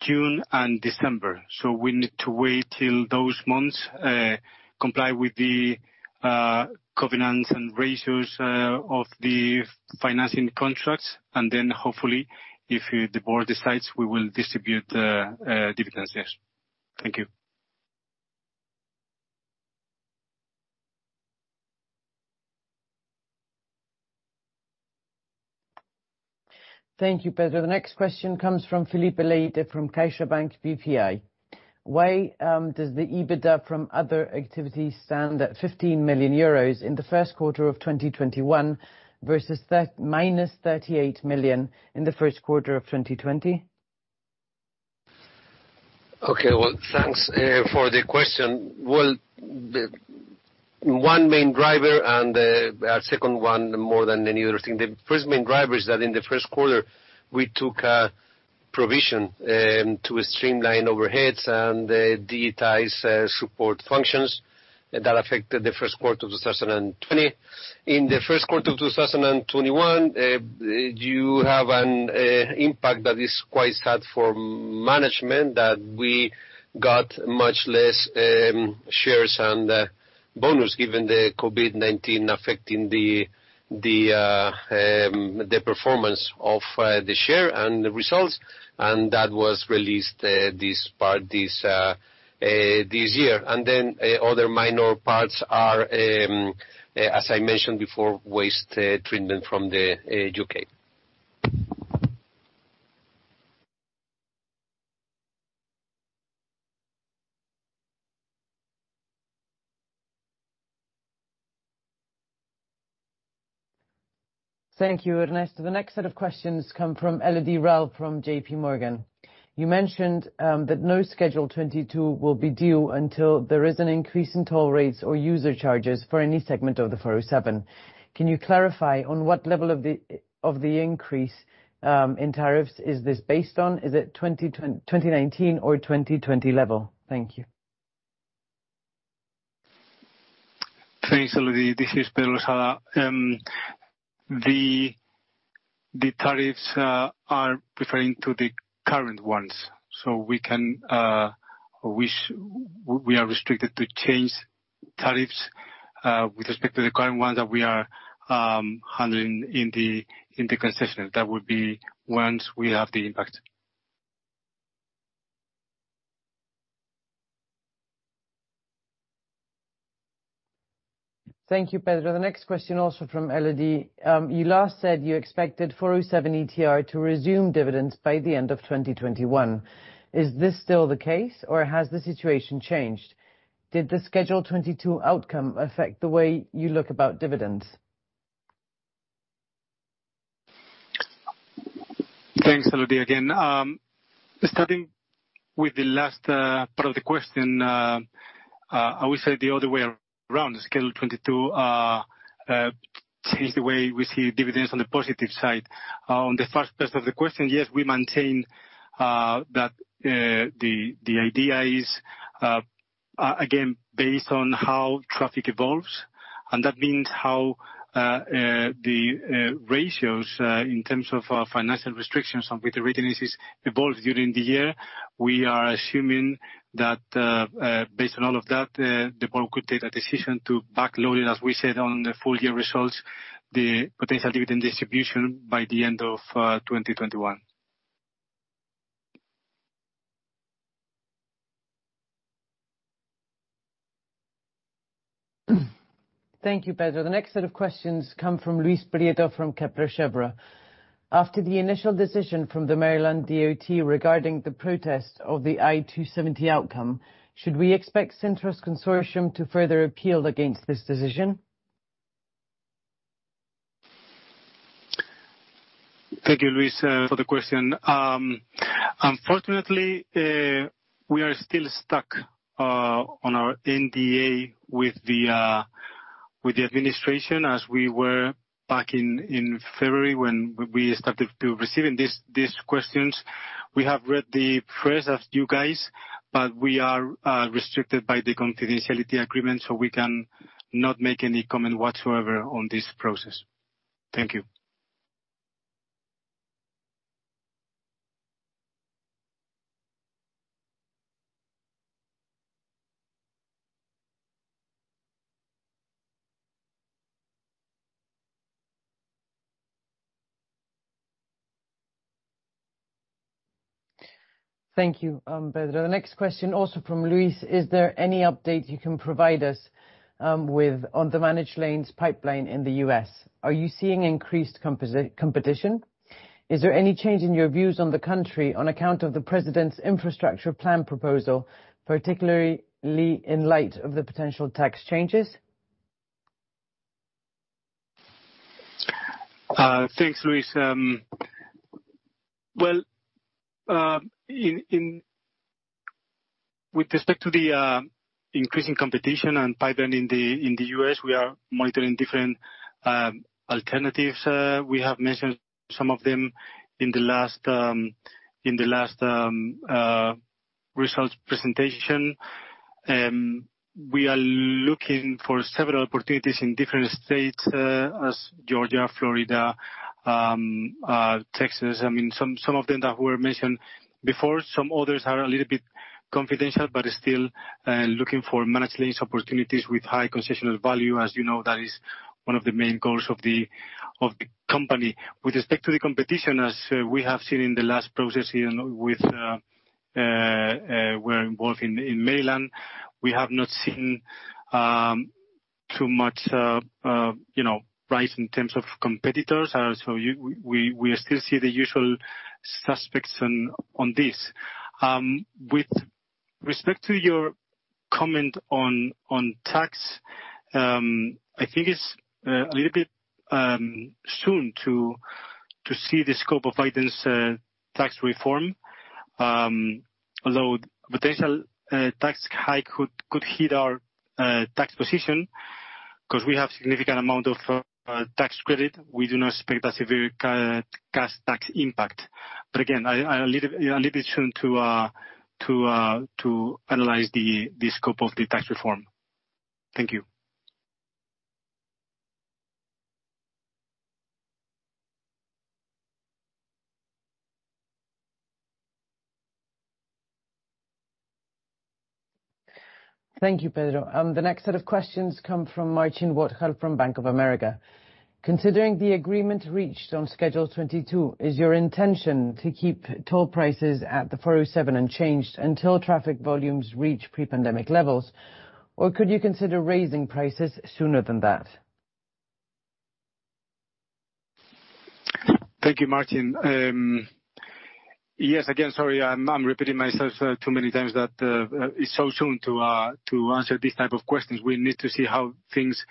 June and December. We need to wait till those months, comply with the covenants and ratios of the financing contracts, and then hopefully, if the board decides, we will distribute dividends. Yes. Thank you. Thank you, Pedro. The next question comes from Felipe Ley from CaixaBank BPI. "Why does the EBITDA from other activities stand at 15 million euros in the first quarter of 2021 versus minus 38 million in the first quarter of 2020? Okay, well, thanks for the question. Well, one main driver and our second one more than any other thing. The first main driver is that in the first quarter, we took a provision to streamline overheads and digitize support functions. That affected the first quarter of 2020. In the first quarter of 2021, you have an impact that is quite hard for management that we got much less shares and bonus given the COVID-19 affecting the performance of the share and the results, and that was released this year. Other minor parts are, as I mentioned before, waste treatment from the U.K. Thank you, Ernesto. The next set of questions come from Elodie Rall from JPMorgan. You mentioned that no Schedule 22 will be due until there is an increase in toll rates or user charges for any segment of the 407. Can you clarify on what level of the increase in tariffs is this based on? Is it 2019 or 2020 level? Thank you. Thanks, Elodie. This is Pedro Losada. The tariffs are referring to the current ones. We are restricted to change tariffs with respect to the current ones that we are handling in the concession. That would be once we have the impact. Thank you, Pedro. The next question also from Elodie. You last said you expected 407 ETR to resume dividends by the end of 2021. Is this still the case or has the situation changed? Did the Schedule 22 outcome affect the way you look about dividends? Thanks, Elodie, again. Starting with the last part of the question, I would say the other way around. Schedule 22 changed the way we see dividends on the positive side. On the first part of the question, yes, we maintain that the idea is, again, based on how traffic evolves, and that means how the ratios in terms of financial restrictions and with the redundancies evolved during the year. We are assuming that based on all of that, the board could take a decision to back load it, as we said on the full year results, the potential dividend distribution by the end of 2021. Thank you, Pedro. The next set of questions come from Luis Prieto from Kepler Cheuvreux. After the initial decision from the Maryland DOT regarding the protest of the I-270 outcome, should we expect Cintra's consortium to further appeal against this decision? Thank you, Luis, for the question. Unfortunately, we are still stuck on our NDA with the administration as we were back in February when we started receiving these questions. We have read the press as you guys. We are restricted by the confidentiality agreement, so we can not make any comment whatsoever on this process. Thank you. Thank you, Pedro. The next question also from Luis. Is there any update you can provide us with on the managed lanes pipeline in the U.S.? Are you seeing increased competition? Is there any change in your views on the country on account of the president's infrastructure plan proposal, particularly in light of the potential tax changes? Thanks, Luis. With respect to the increasing competition and pipeline in the U.S., we are monitoring different alternatives. We have mentioned some of them in the last results presentation. We are looking for several opportunities in different states as Georgia, Florida, Texas, some of them that were mentioned before. Some others are a little bit confidential, but still looking for managed lanes opportunities with high concessional value. As you know, that is one of the main goals of the company. With respect to the competition, as we have seen in the last process here where involved in Maryland, we have not seen too much rise in terms of competitors. We still see the usual suspects on this. With respect to your comment on tax, I think it's a little bit soon to see the scope of Biden's tax reform. Although potential tax hike could hit our tax position, because we have significant amount of tax credit, we do not expect a severe cash tax impact. Again, a little bit soon to analyze the scope of the tax reform. Thank you. Thank you, Pedro. The next set of questions come from Marcin Wojtal from Bank of America. Considering the agreement reached on Schedule 22, is your intention to keep toll prices at the 407 unchanged until traffic volumes reach pre-pandemic levels? Could you consider raising prices sooner than that? Thank you, Marcin. Yes. Again, sorry, I'm repeating myself too many times that it's so soon to answer these type of questions. We need to see how things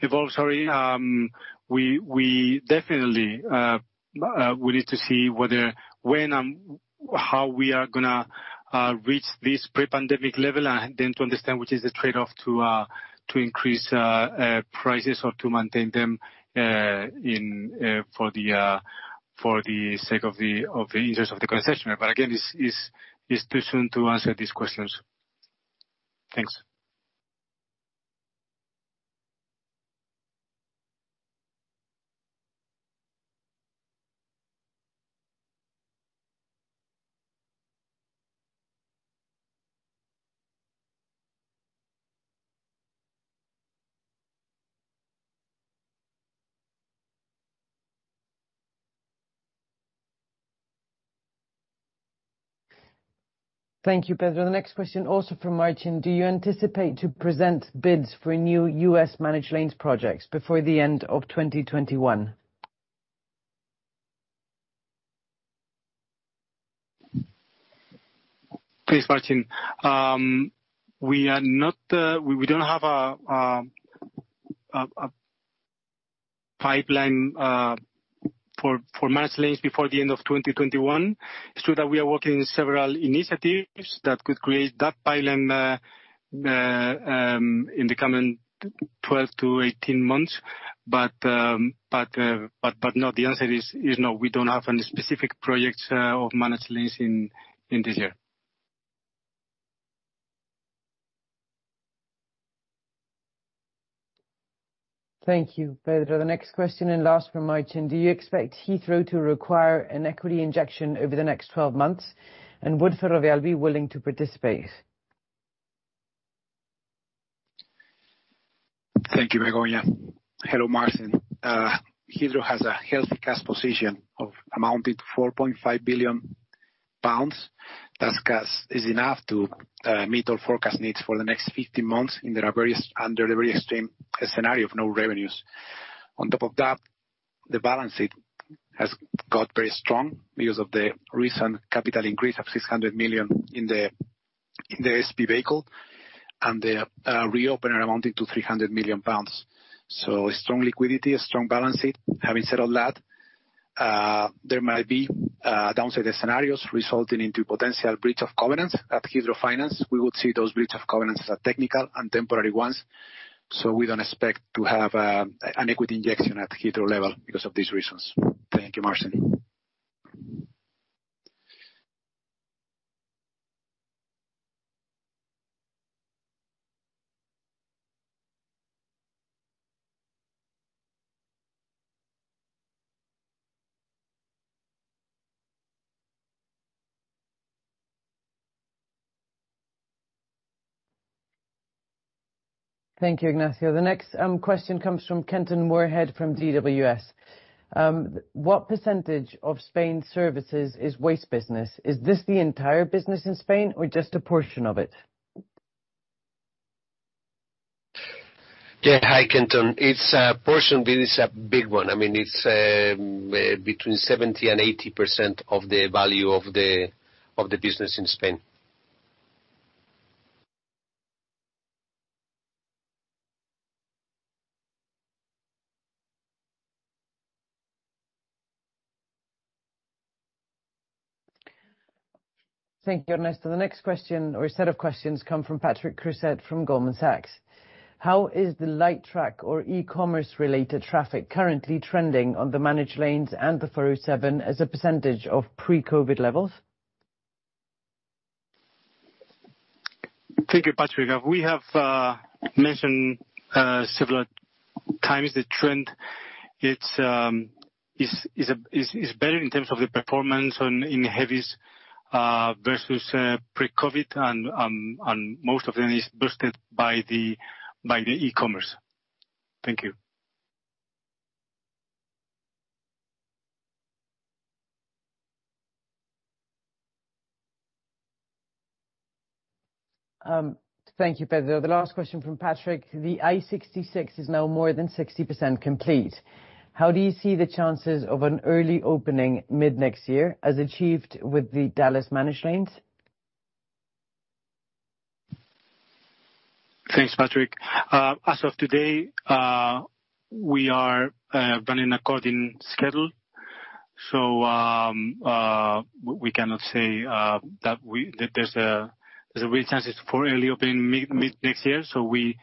evolve. Sorry. We definitely need to see when and how we are going to reach this pre-pandemic level, and then to understand which is the trade-off to increase prices or to maintain them for the sake of the users of the concessionaire. Again, it's too soon to answer these questions. Thanks. Thank you, Pedro. The next question, also from Marcin. Do you anticipate to present bids for new U.S. managed lanes projects before the end of 2021? Thanks, Marcin. We don't have a pipeline for managed lanes before the end of 2021. It's true that we are working on several initiatives that could create that pipeline in the coming 12-18 months. The answer is no, we don't have any specific projects of managed lanes in this year. Thank you, Pedro. The next question, and last from Marcin. Do you expect Heathrow to require an equity injection over the next 12 months? Would Ferrovial be willing to participate? Thank you, Begoña. Hello, Marcin. Heathrow has a healthy cash position amounting to 4.5 billion pounds. That cash is enough to meet our forecast needs for the next 15 months under the very extreme scenario of no revenues. On top of that, the balance sheet has got very strong because of the recent capital increase of 600 million in the SP vehicle, and the reopener amounted to 300 million pounds. Strong liquidity, a strong balance sheet. Having said all that, there might be downside scenarios resulting into potential breach of covenants at Heathrow Finance. We would see those breach of covenants as technical and temporary ones. We don't expect to have an equity injection at Heathrow level because of these reasons. Thank you, Marcin. Thank you, Ignacio. The next question comes from Kenton Moorhead from DWS. What percentage of Spain services is waste business? Is this the entire business in Spain or just a portion of it? Yeah. Hi, Kenton. It's a portion, but it's a big one. It's between 70% and 80% of the value of the business in Spain. Thank you, Ernesto. The next question, or set of questions, come from Patrick Creuset from Goldman Sachs. How is the light truck or e-commerce related traffic currently trending on the managed lanes and the 407 as a percentage of pre-COVID levels? Thank you, Patrick. We have mentioned several times the trend. It's better in terms of the performance in heavies versus pre-COVID, most of them is boosted by the e-commerce. Thank you. Thank you, Pedro. The last question from Patrick. The I-66 is now more than 60% complete. How do you see the chances of an early opening mid-next year, as achieved with the Dallas managed lanes? Thanks, Patrick. As of today, we are running according to schedule. We cannot say that there's a real chance for early opening mid-next year. We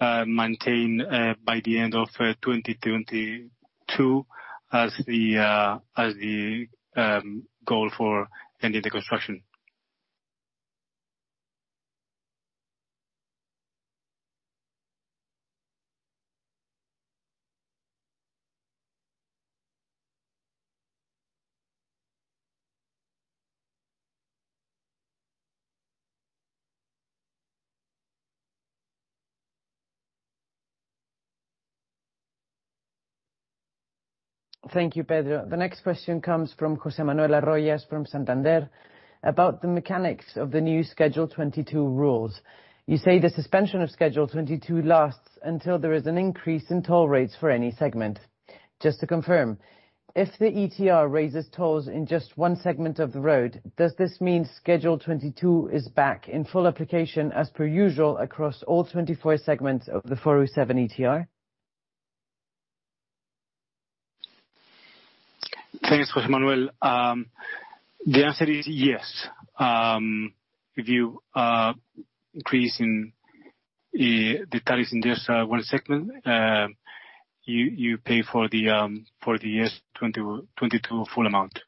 maintain by the end of 2022 as the goal for ending the construction. Thank you, Pedro. The next question comes from José Manuel Arroyas from Santander. About the mechanics of the new Schedule 22 rules. You say the suspension of Schedule 22 lasts until there is an increase in toll rates for any segment. Just to confirm, if the ETR raises tolls in just one segment of the road, does this mean Schedule 22 is back in full application as per usual across all 24 segments of the 407 ETR? Thanks, José Manuel. The answer is yes. If you increase the tariffs in just one segment, you pay for the year 2022 full amount.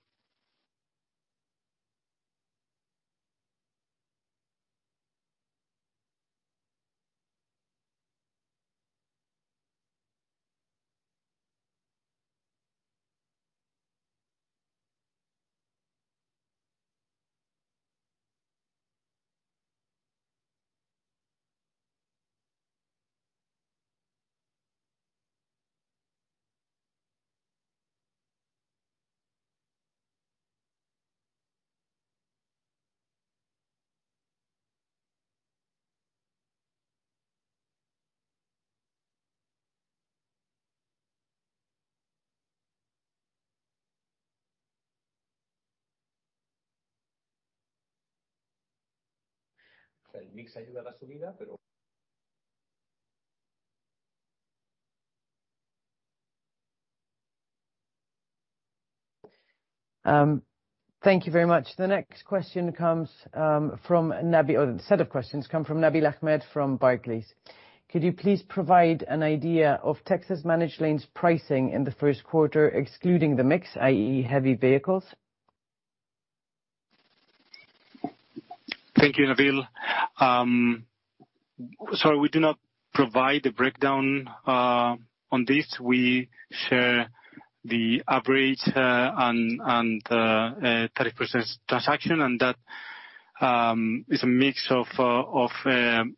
Thank you very much. The next set of questions come from Nabil Ahmed from Barclays. Could you please provide an idea of Texas Managed Lanes pricing in the first quarter, excluding the mix, i.e., heavy vehicles? Thank you, Nabil. Sorry, we do not provide a breakdown on this. We share the average and tariff per transaction, and that is a mix of the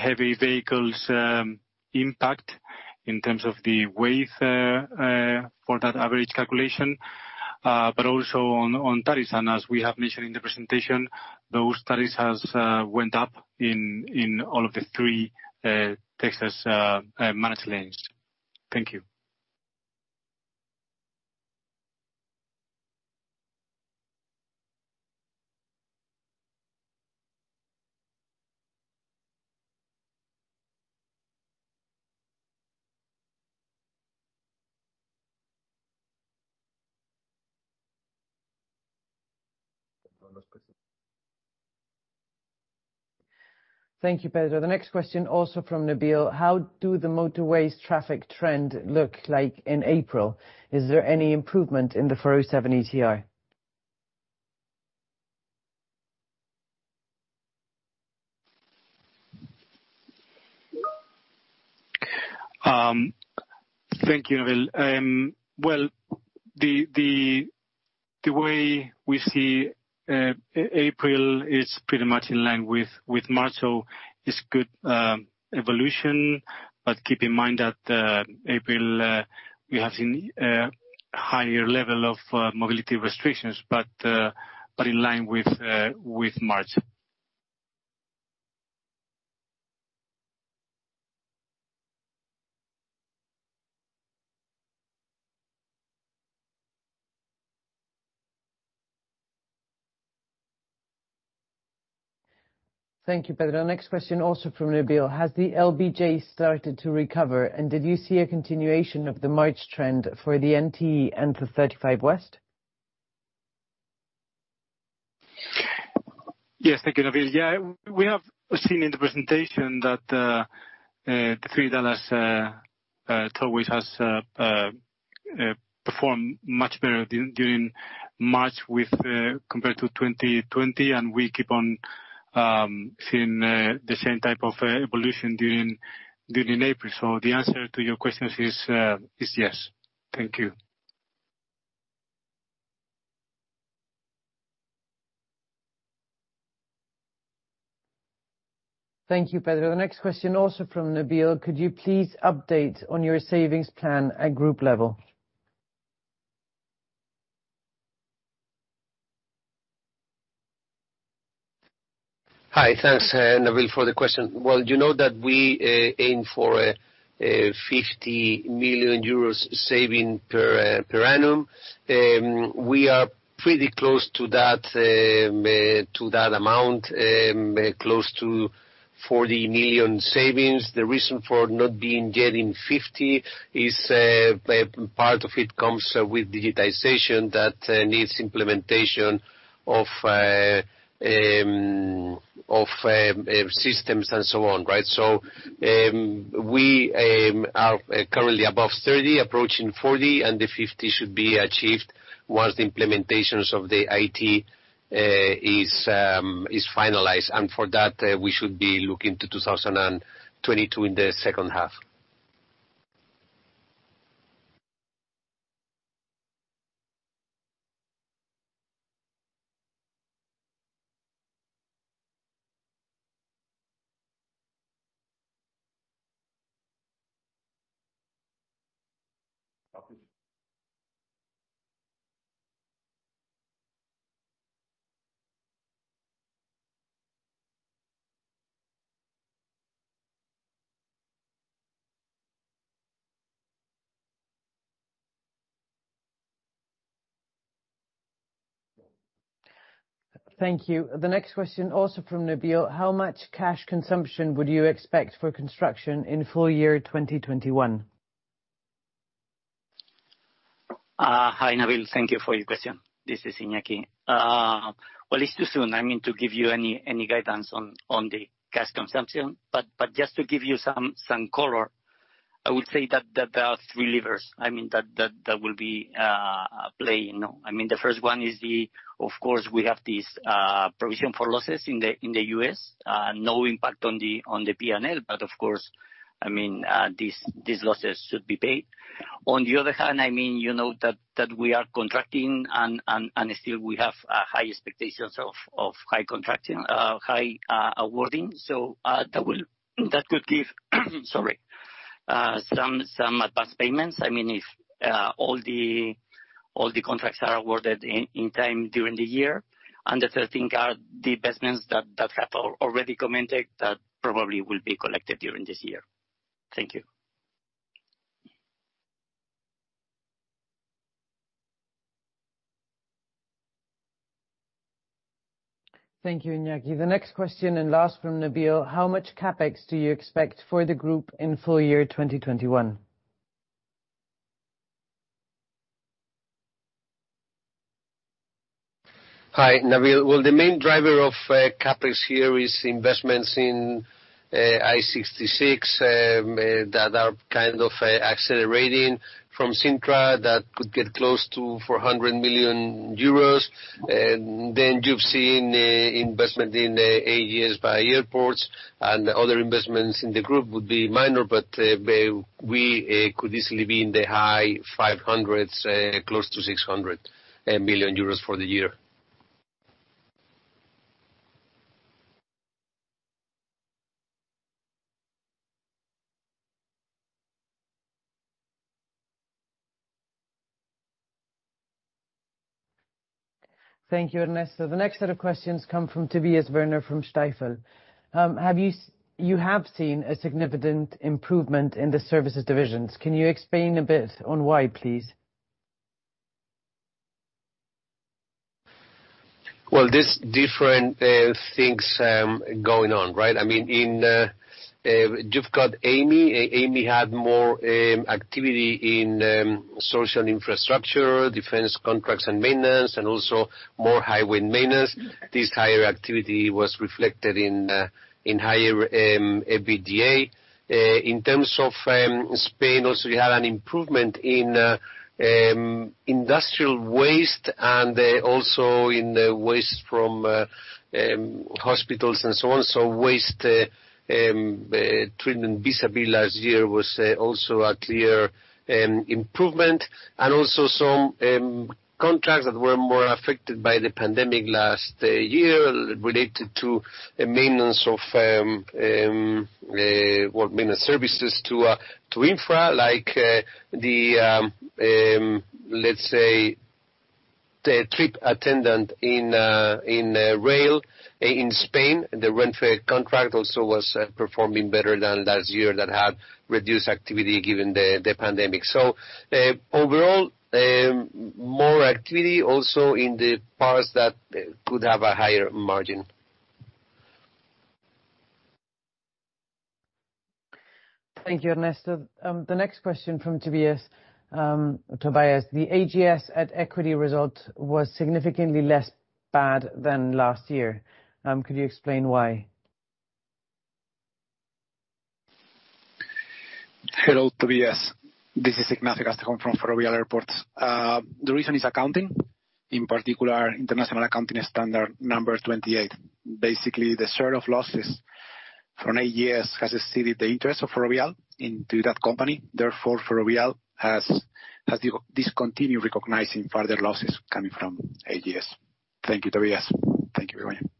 heavy vehicles impact in terms of the weight for that average calculation, but also on tariffs. As we have mentioned in the presentation, those tariffs have went up in all of the three Texas Managed Lanes. Thank you. Thank you, Pedro. The next question, also from Nabil. How do the motorways traffic trend look like in April? Is there any improvement in the 407 ETR? Thank you, Nabil. Well, the way we see April is pretty much in line with March, so it's good evolution. Keep in mind that April, we have seen a higher level of mobility restrictions, but in line with March. Thank you, Pedro. Next question, also from Nabil. Has the LBJ started to recover, and did you see a continuation of the March trend for the NTE and for 35 West? Yes, thank you, Nabil. Yeah, we have seen in the presentation that the three Dallas tollways has performed much better during March compared to 2020, and we keep on seeing the same type of evolution during April. The answer to your questions is yes. Thank you. Thank you, Pedro. The next question, also from Nabil. Could you please update on your savings plan at group level? Hi. Thanks, Nabil, for the question. You know that we aim for 50 million euros saving per annum. We are pretty close to that amount, close to 40 million savings. The reason for not being yet in 50, part of it comes with digitization that needs implementation of systems and so on. We are currently above 30, approaching 40, and the 50 should be achieved once the implementations of the IT is finalized. For that, we should be looking to 2022 in the second half. Thank you. The next question, also from Nabil. How much cash consumption would you expect for construction in full year 2021? Hi, Nabil. Thank you for your question. This is Iñaki. It's too soon to give you any guidance on the cash consumption. Just to give you some color, I would say that there are three levers that will be playing. The first one is, of course, we have this provision for losses in the U.S., no impact on the P&L, but of course, these losses should be paid. On the other hand, we are contracting and still we have high expectations of high awarding. That could give, sorry, some advanced payments, if all the contracts are awarded in time during the year. The third thing are the investments that Rafael already commented that probably will be collected during this year. Thank you. Thank you, Iñaki. The next question, and last from Nabil, how much CapEx do you expect for the group in full year 2021? Hi, Nabil. The main driver of CapEx here is investments in I-66, that are kind of accelerating from Cintra, that could get close to 400 million euros. You've seen investment in the AGS by airports, and other investments in the group would be minor, but we could easily be in the high EUR 500s, close to 600 million euros for the year. Thank you, Ernesto. The next set of questions come from Tobias Woerner from Stifel. You have seen a significant improvement in the services divisions. Can you explain a bit on why, please? There's different things going on. You've got Amey. Amey had more activity in social infrastructure, defense contracts and maintenance, and also more highway maintenance. This higher activity was reflected in higher EBITDA. In terms of Spain, also, you had an improvement in industrial waste and also in waste from hospitals and so on. Waste treatment vis-a-vis last year was also a clear improvement. Also some contracts that were more affected by the pandemic last year related to maintenance services to infra, like the trip attendant in rail in Spain. The Renfe contract also was performing better than last year that had reduced activity given the pandemic. Overall, more activity also in the parts that could have a higher margin. Thank you, Ernesto. The next question from Tobias. The AGS at equity result was significantly less bad than last year. Could you explain why? Hello, Tobias. This is Ignacio Castejón from Ferrovial Airports. The reason is accounting, in particular, International Accounting Standard 28. Basically, the share of losses from AGS has exceeded the interest of Ferrovial into that company. Ferrovial has discontinued recognizing further losses coming from AGS. Thank you, Tobias. Thank you, everyone.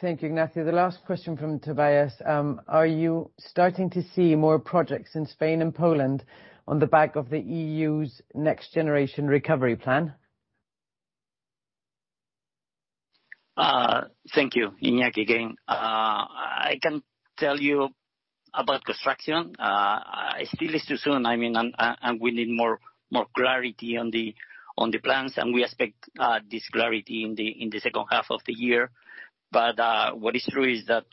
Thank you, Ignacio. The last question from Tobias. Are you starting to see more projects in Spain and Poland on the back of the EU's Next Generation Recovery Plan? Thank you. Iñaki again. I can tell you about construction. It still is too soon. We need more clarity on the plans. We expect this clarity in the second half of the year. What is true is that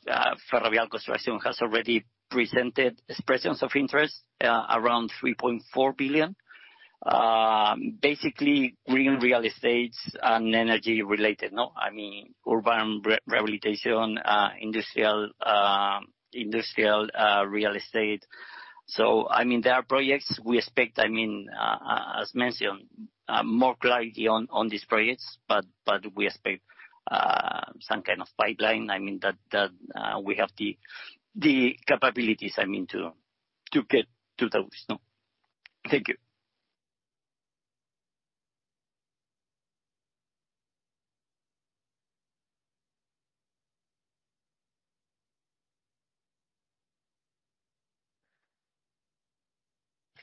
Ferrovial Construction has already presented expressions of interest, around 3.4 billion. Basically green real estates and energy-related. Urban rehabilitation, industrial real estate. There are projects we expect, as mentioned, more clarity on these projects. We expect some kind of pipeline that we have the capabilities to get to those. Thank you.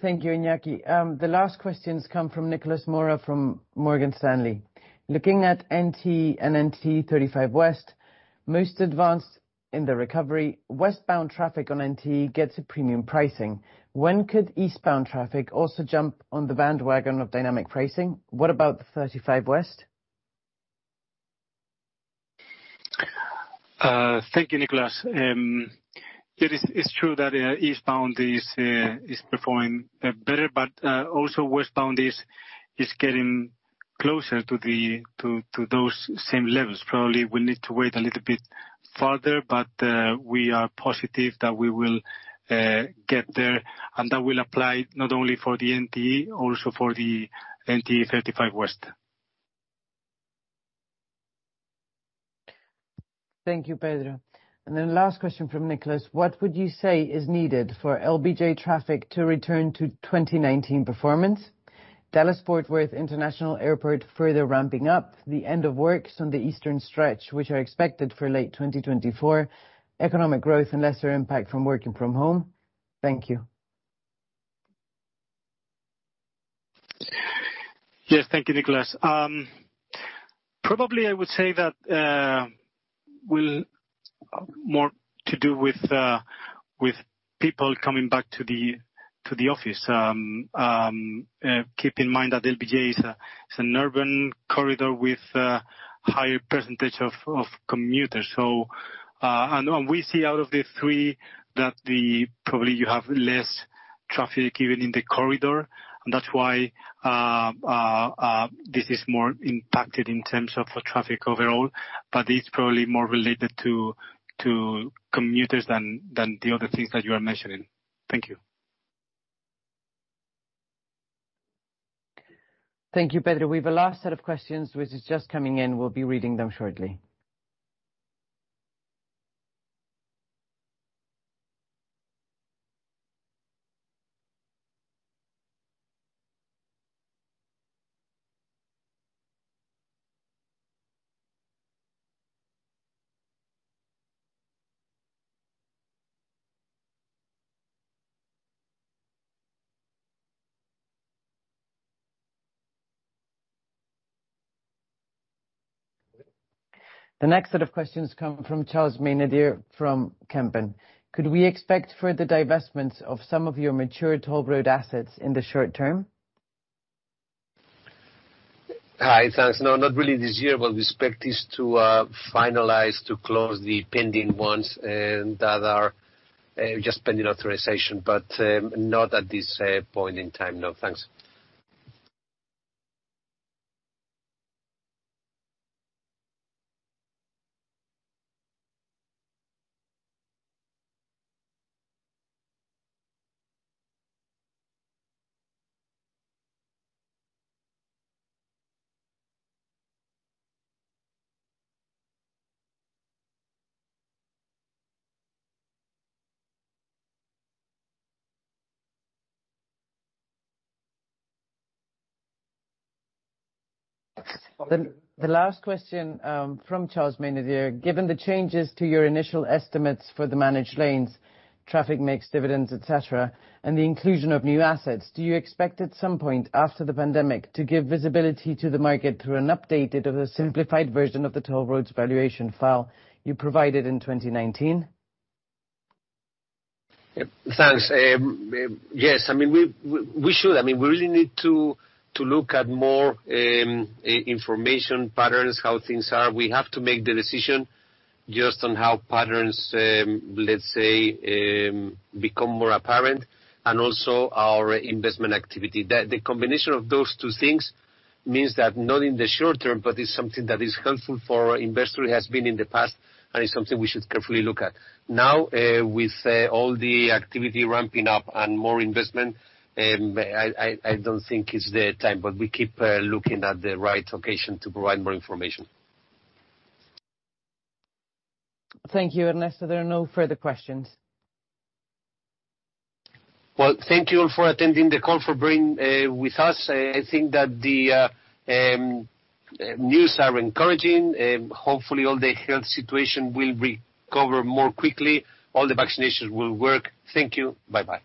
Thank you, Iñaki. The last questions come from Nicolas Mora from Morgan Stanley. Looking at NTE and NTE 35 West, most advanced in the recovery, westbound traffic on NTE gets a premium pricing. When could eastbound traffic also jump on the bandwagon of dynamic pricing? What about the 35 West? Thank you, Nicolas. It's true that eastbound is performing better, but also westbound is getting closer to those same levels. Probably we need to wait a little bit further, but we are positive that we will get there, and that will apply not only for the NTE, also for the NTE 35 West. Thank you, Pedro. Last question from Nicolas. What would you say is needed for LBJ traffic to return to 2019 performance? Dallas Fort Worth International Airport further ramping up the end of works on the eastern stretch, which are expected for late 2024, economic growth and lesser impact from working from home. Thank you. Yes. Thank you, Nicolas. Probably I would say that will more to do with people coming back to the office. Keep in mind that LBJ is an urban corridor with a higher percentage of commuters. We see out of the three that probably you have less traffic even in the corridor, and that's why this is more impacted in terms of traffic overall, but it's probably more related to commuters than the other things that you are mentioning. Thank you. Thank you, Pedro. We've a last set of questions, which is just coming in. We'll be reading them shortly. The next set of questions come from Charles Maynadier from Kempen. Could we expect further divestments of some of your mature toll road assets in the short term? Hi. Thanks. No, not really this year. What we expect is to finalize, to close the pending ones that are just pending authorization. Not at this point in time, no. Thanks. The last question from Charles Maynadier. Given the changes to your initial estimates for the managed lanes, traffic mix dividends, et cetera, and the inclusion of new assets, do you expect at some point after the pandemic to give visibility to the market through an updated or a simplified version of the toll roads valuation file you provided in 2019? Thanks. Yes, we should. We really need to look at more information patterns, how things are. We have to make the decision just on how patterns, let's say, become more apparent and also our investment activity. The combination of those two things means that not in the short term, but it's something that is helpful for investor, has been in the past, and it's something we should carefully look at. Now with all the activity ramping up and more investment, I don't think it's the time, but we keep looking at the right occasion to provide more information. Thank you, Ernesto. There are no further questions. Well, thank you all for attending the call, for being with us. I think that the news are encouraging. Hopefully all the health situation will recover more quickly, all the vaccinations will work. Thank you. Bye-bye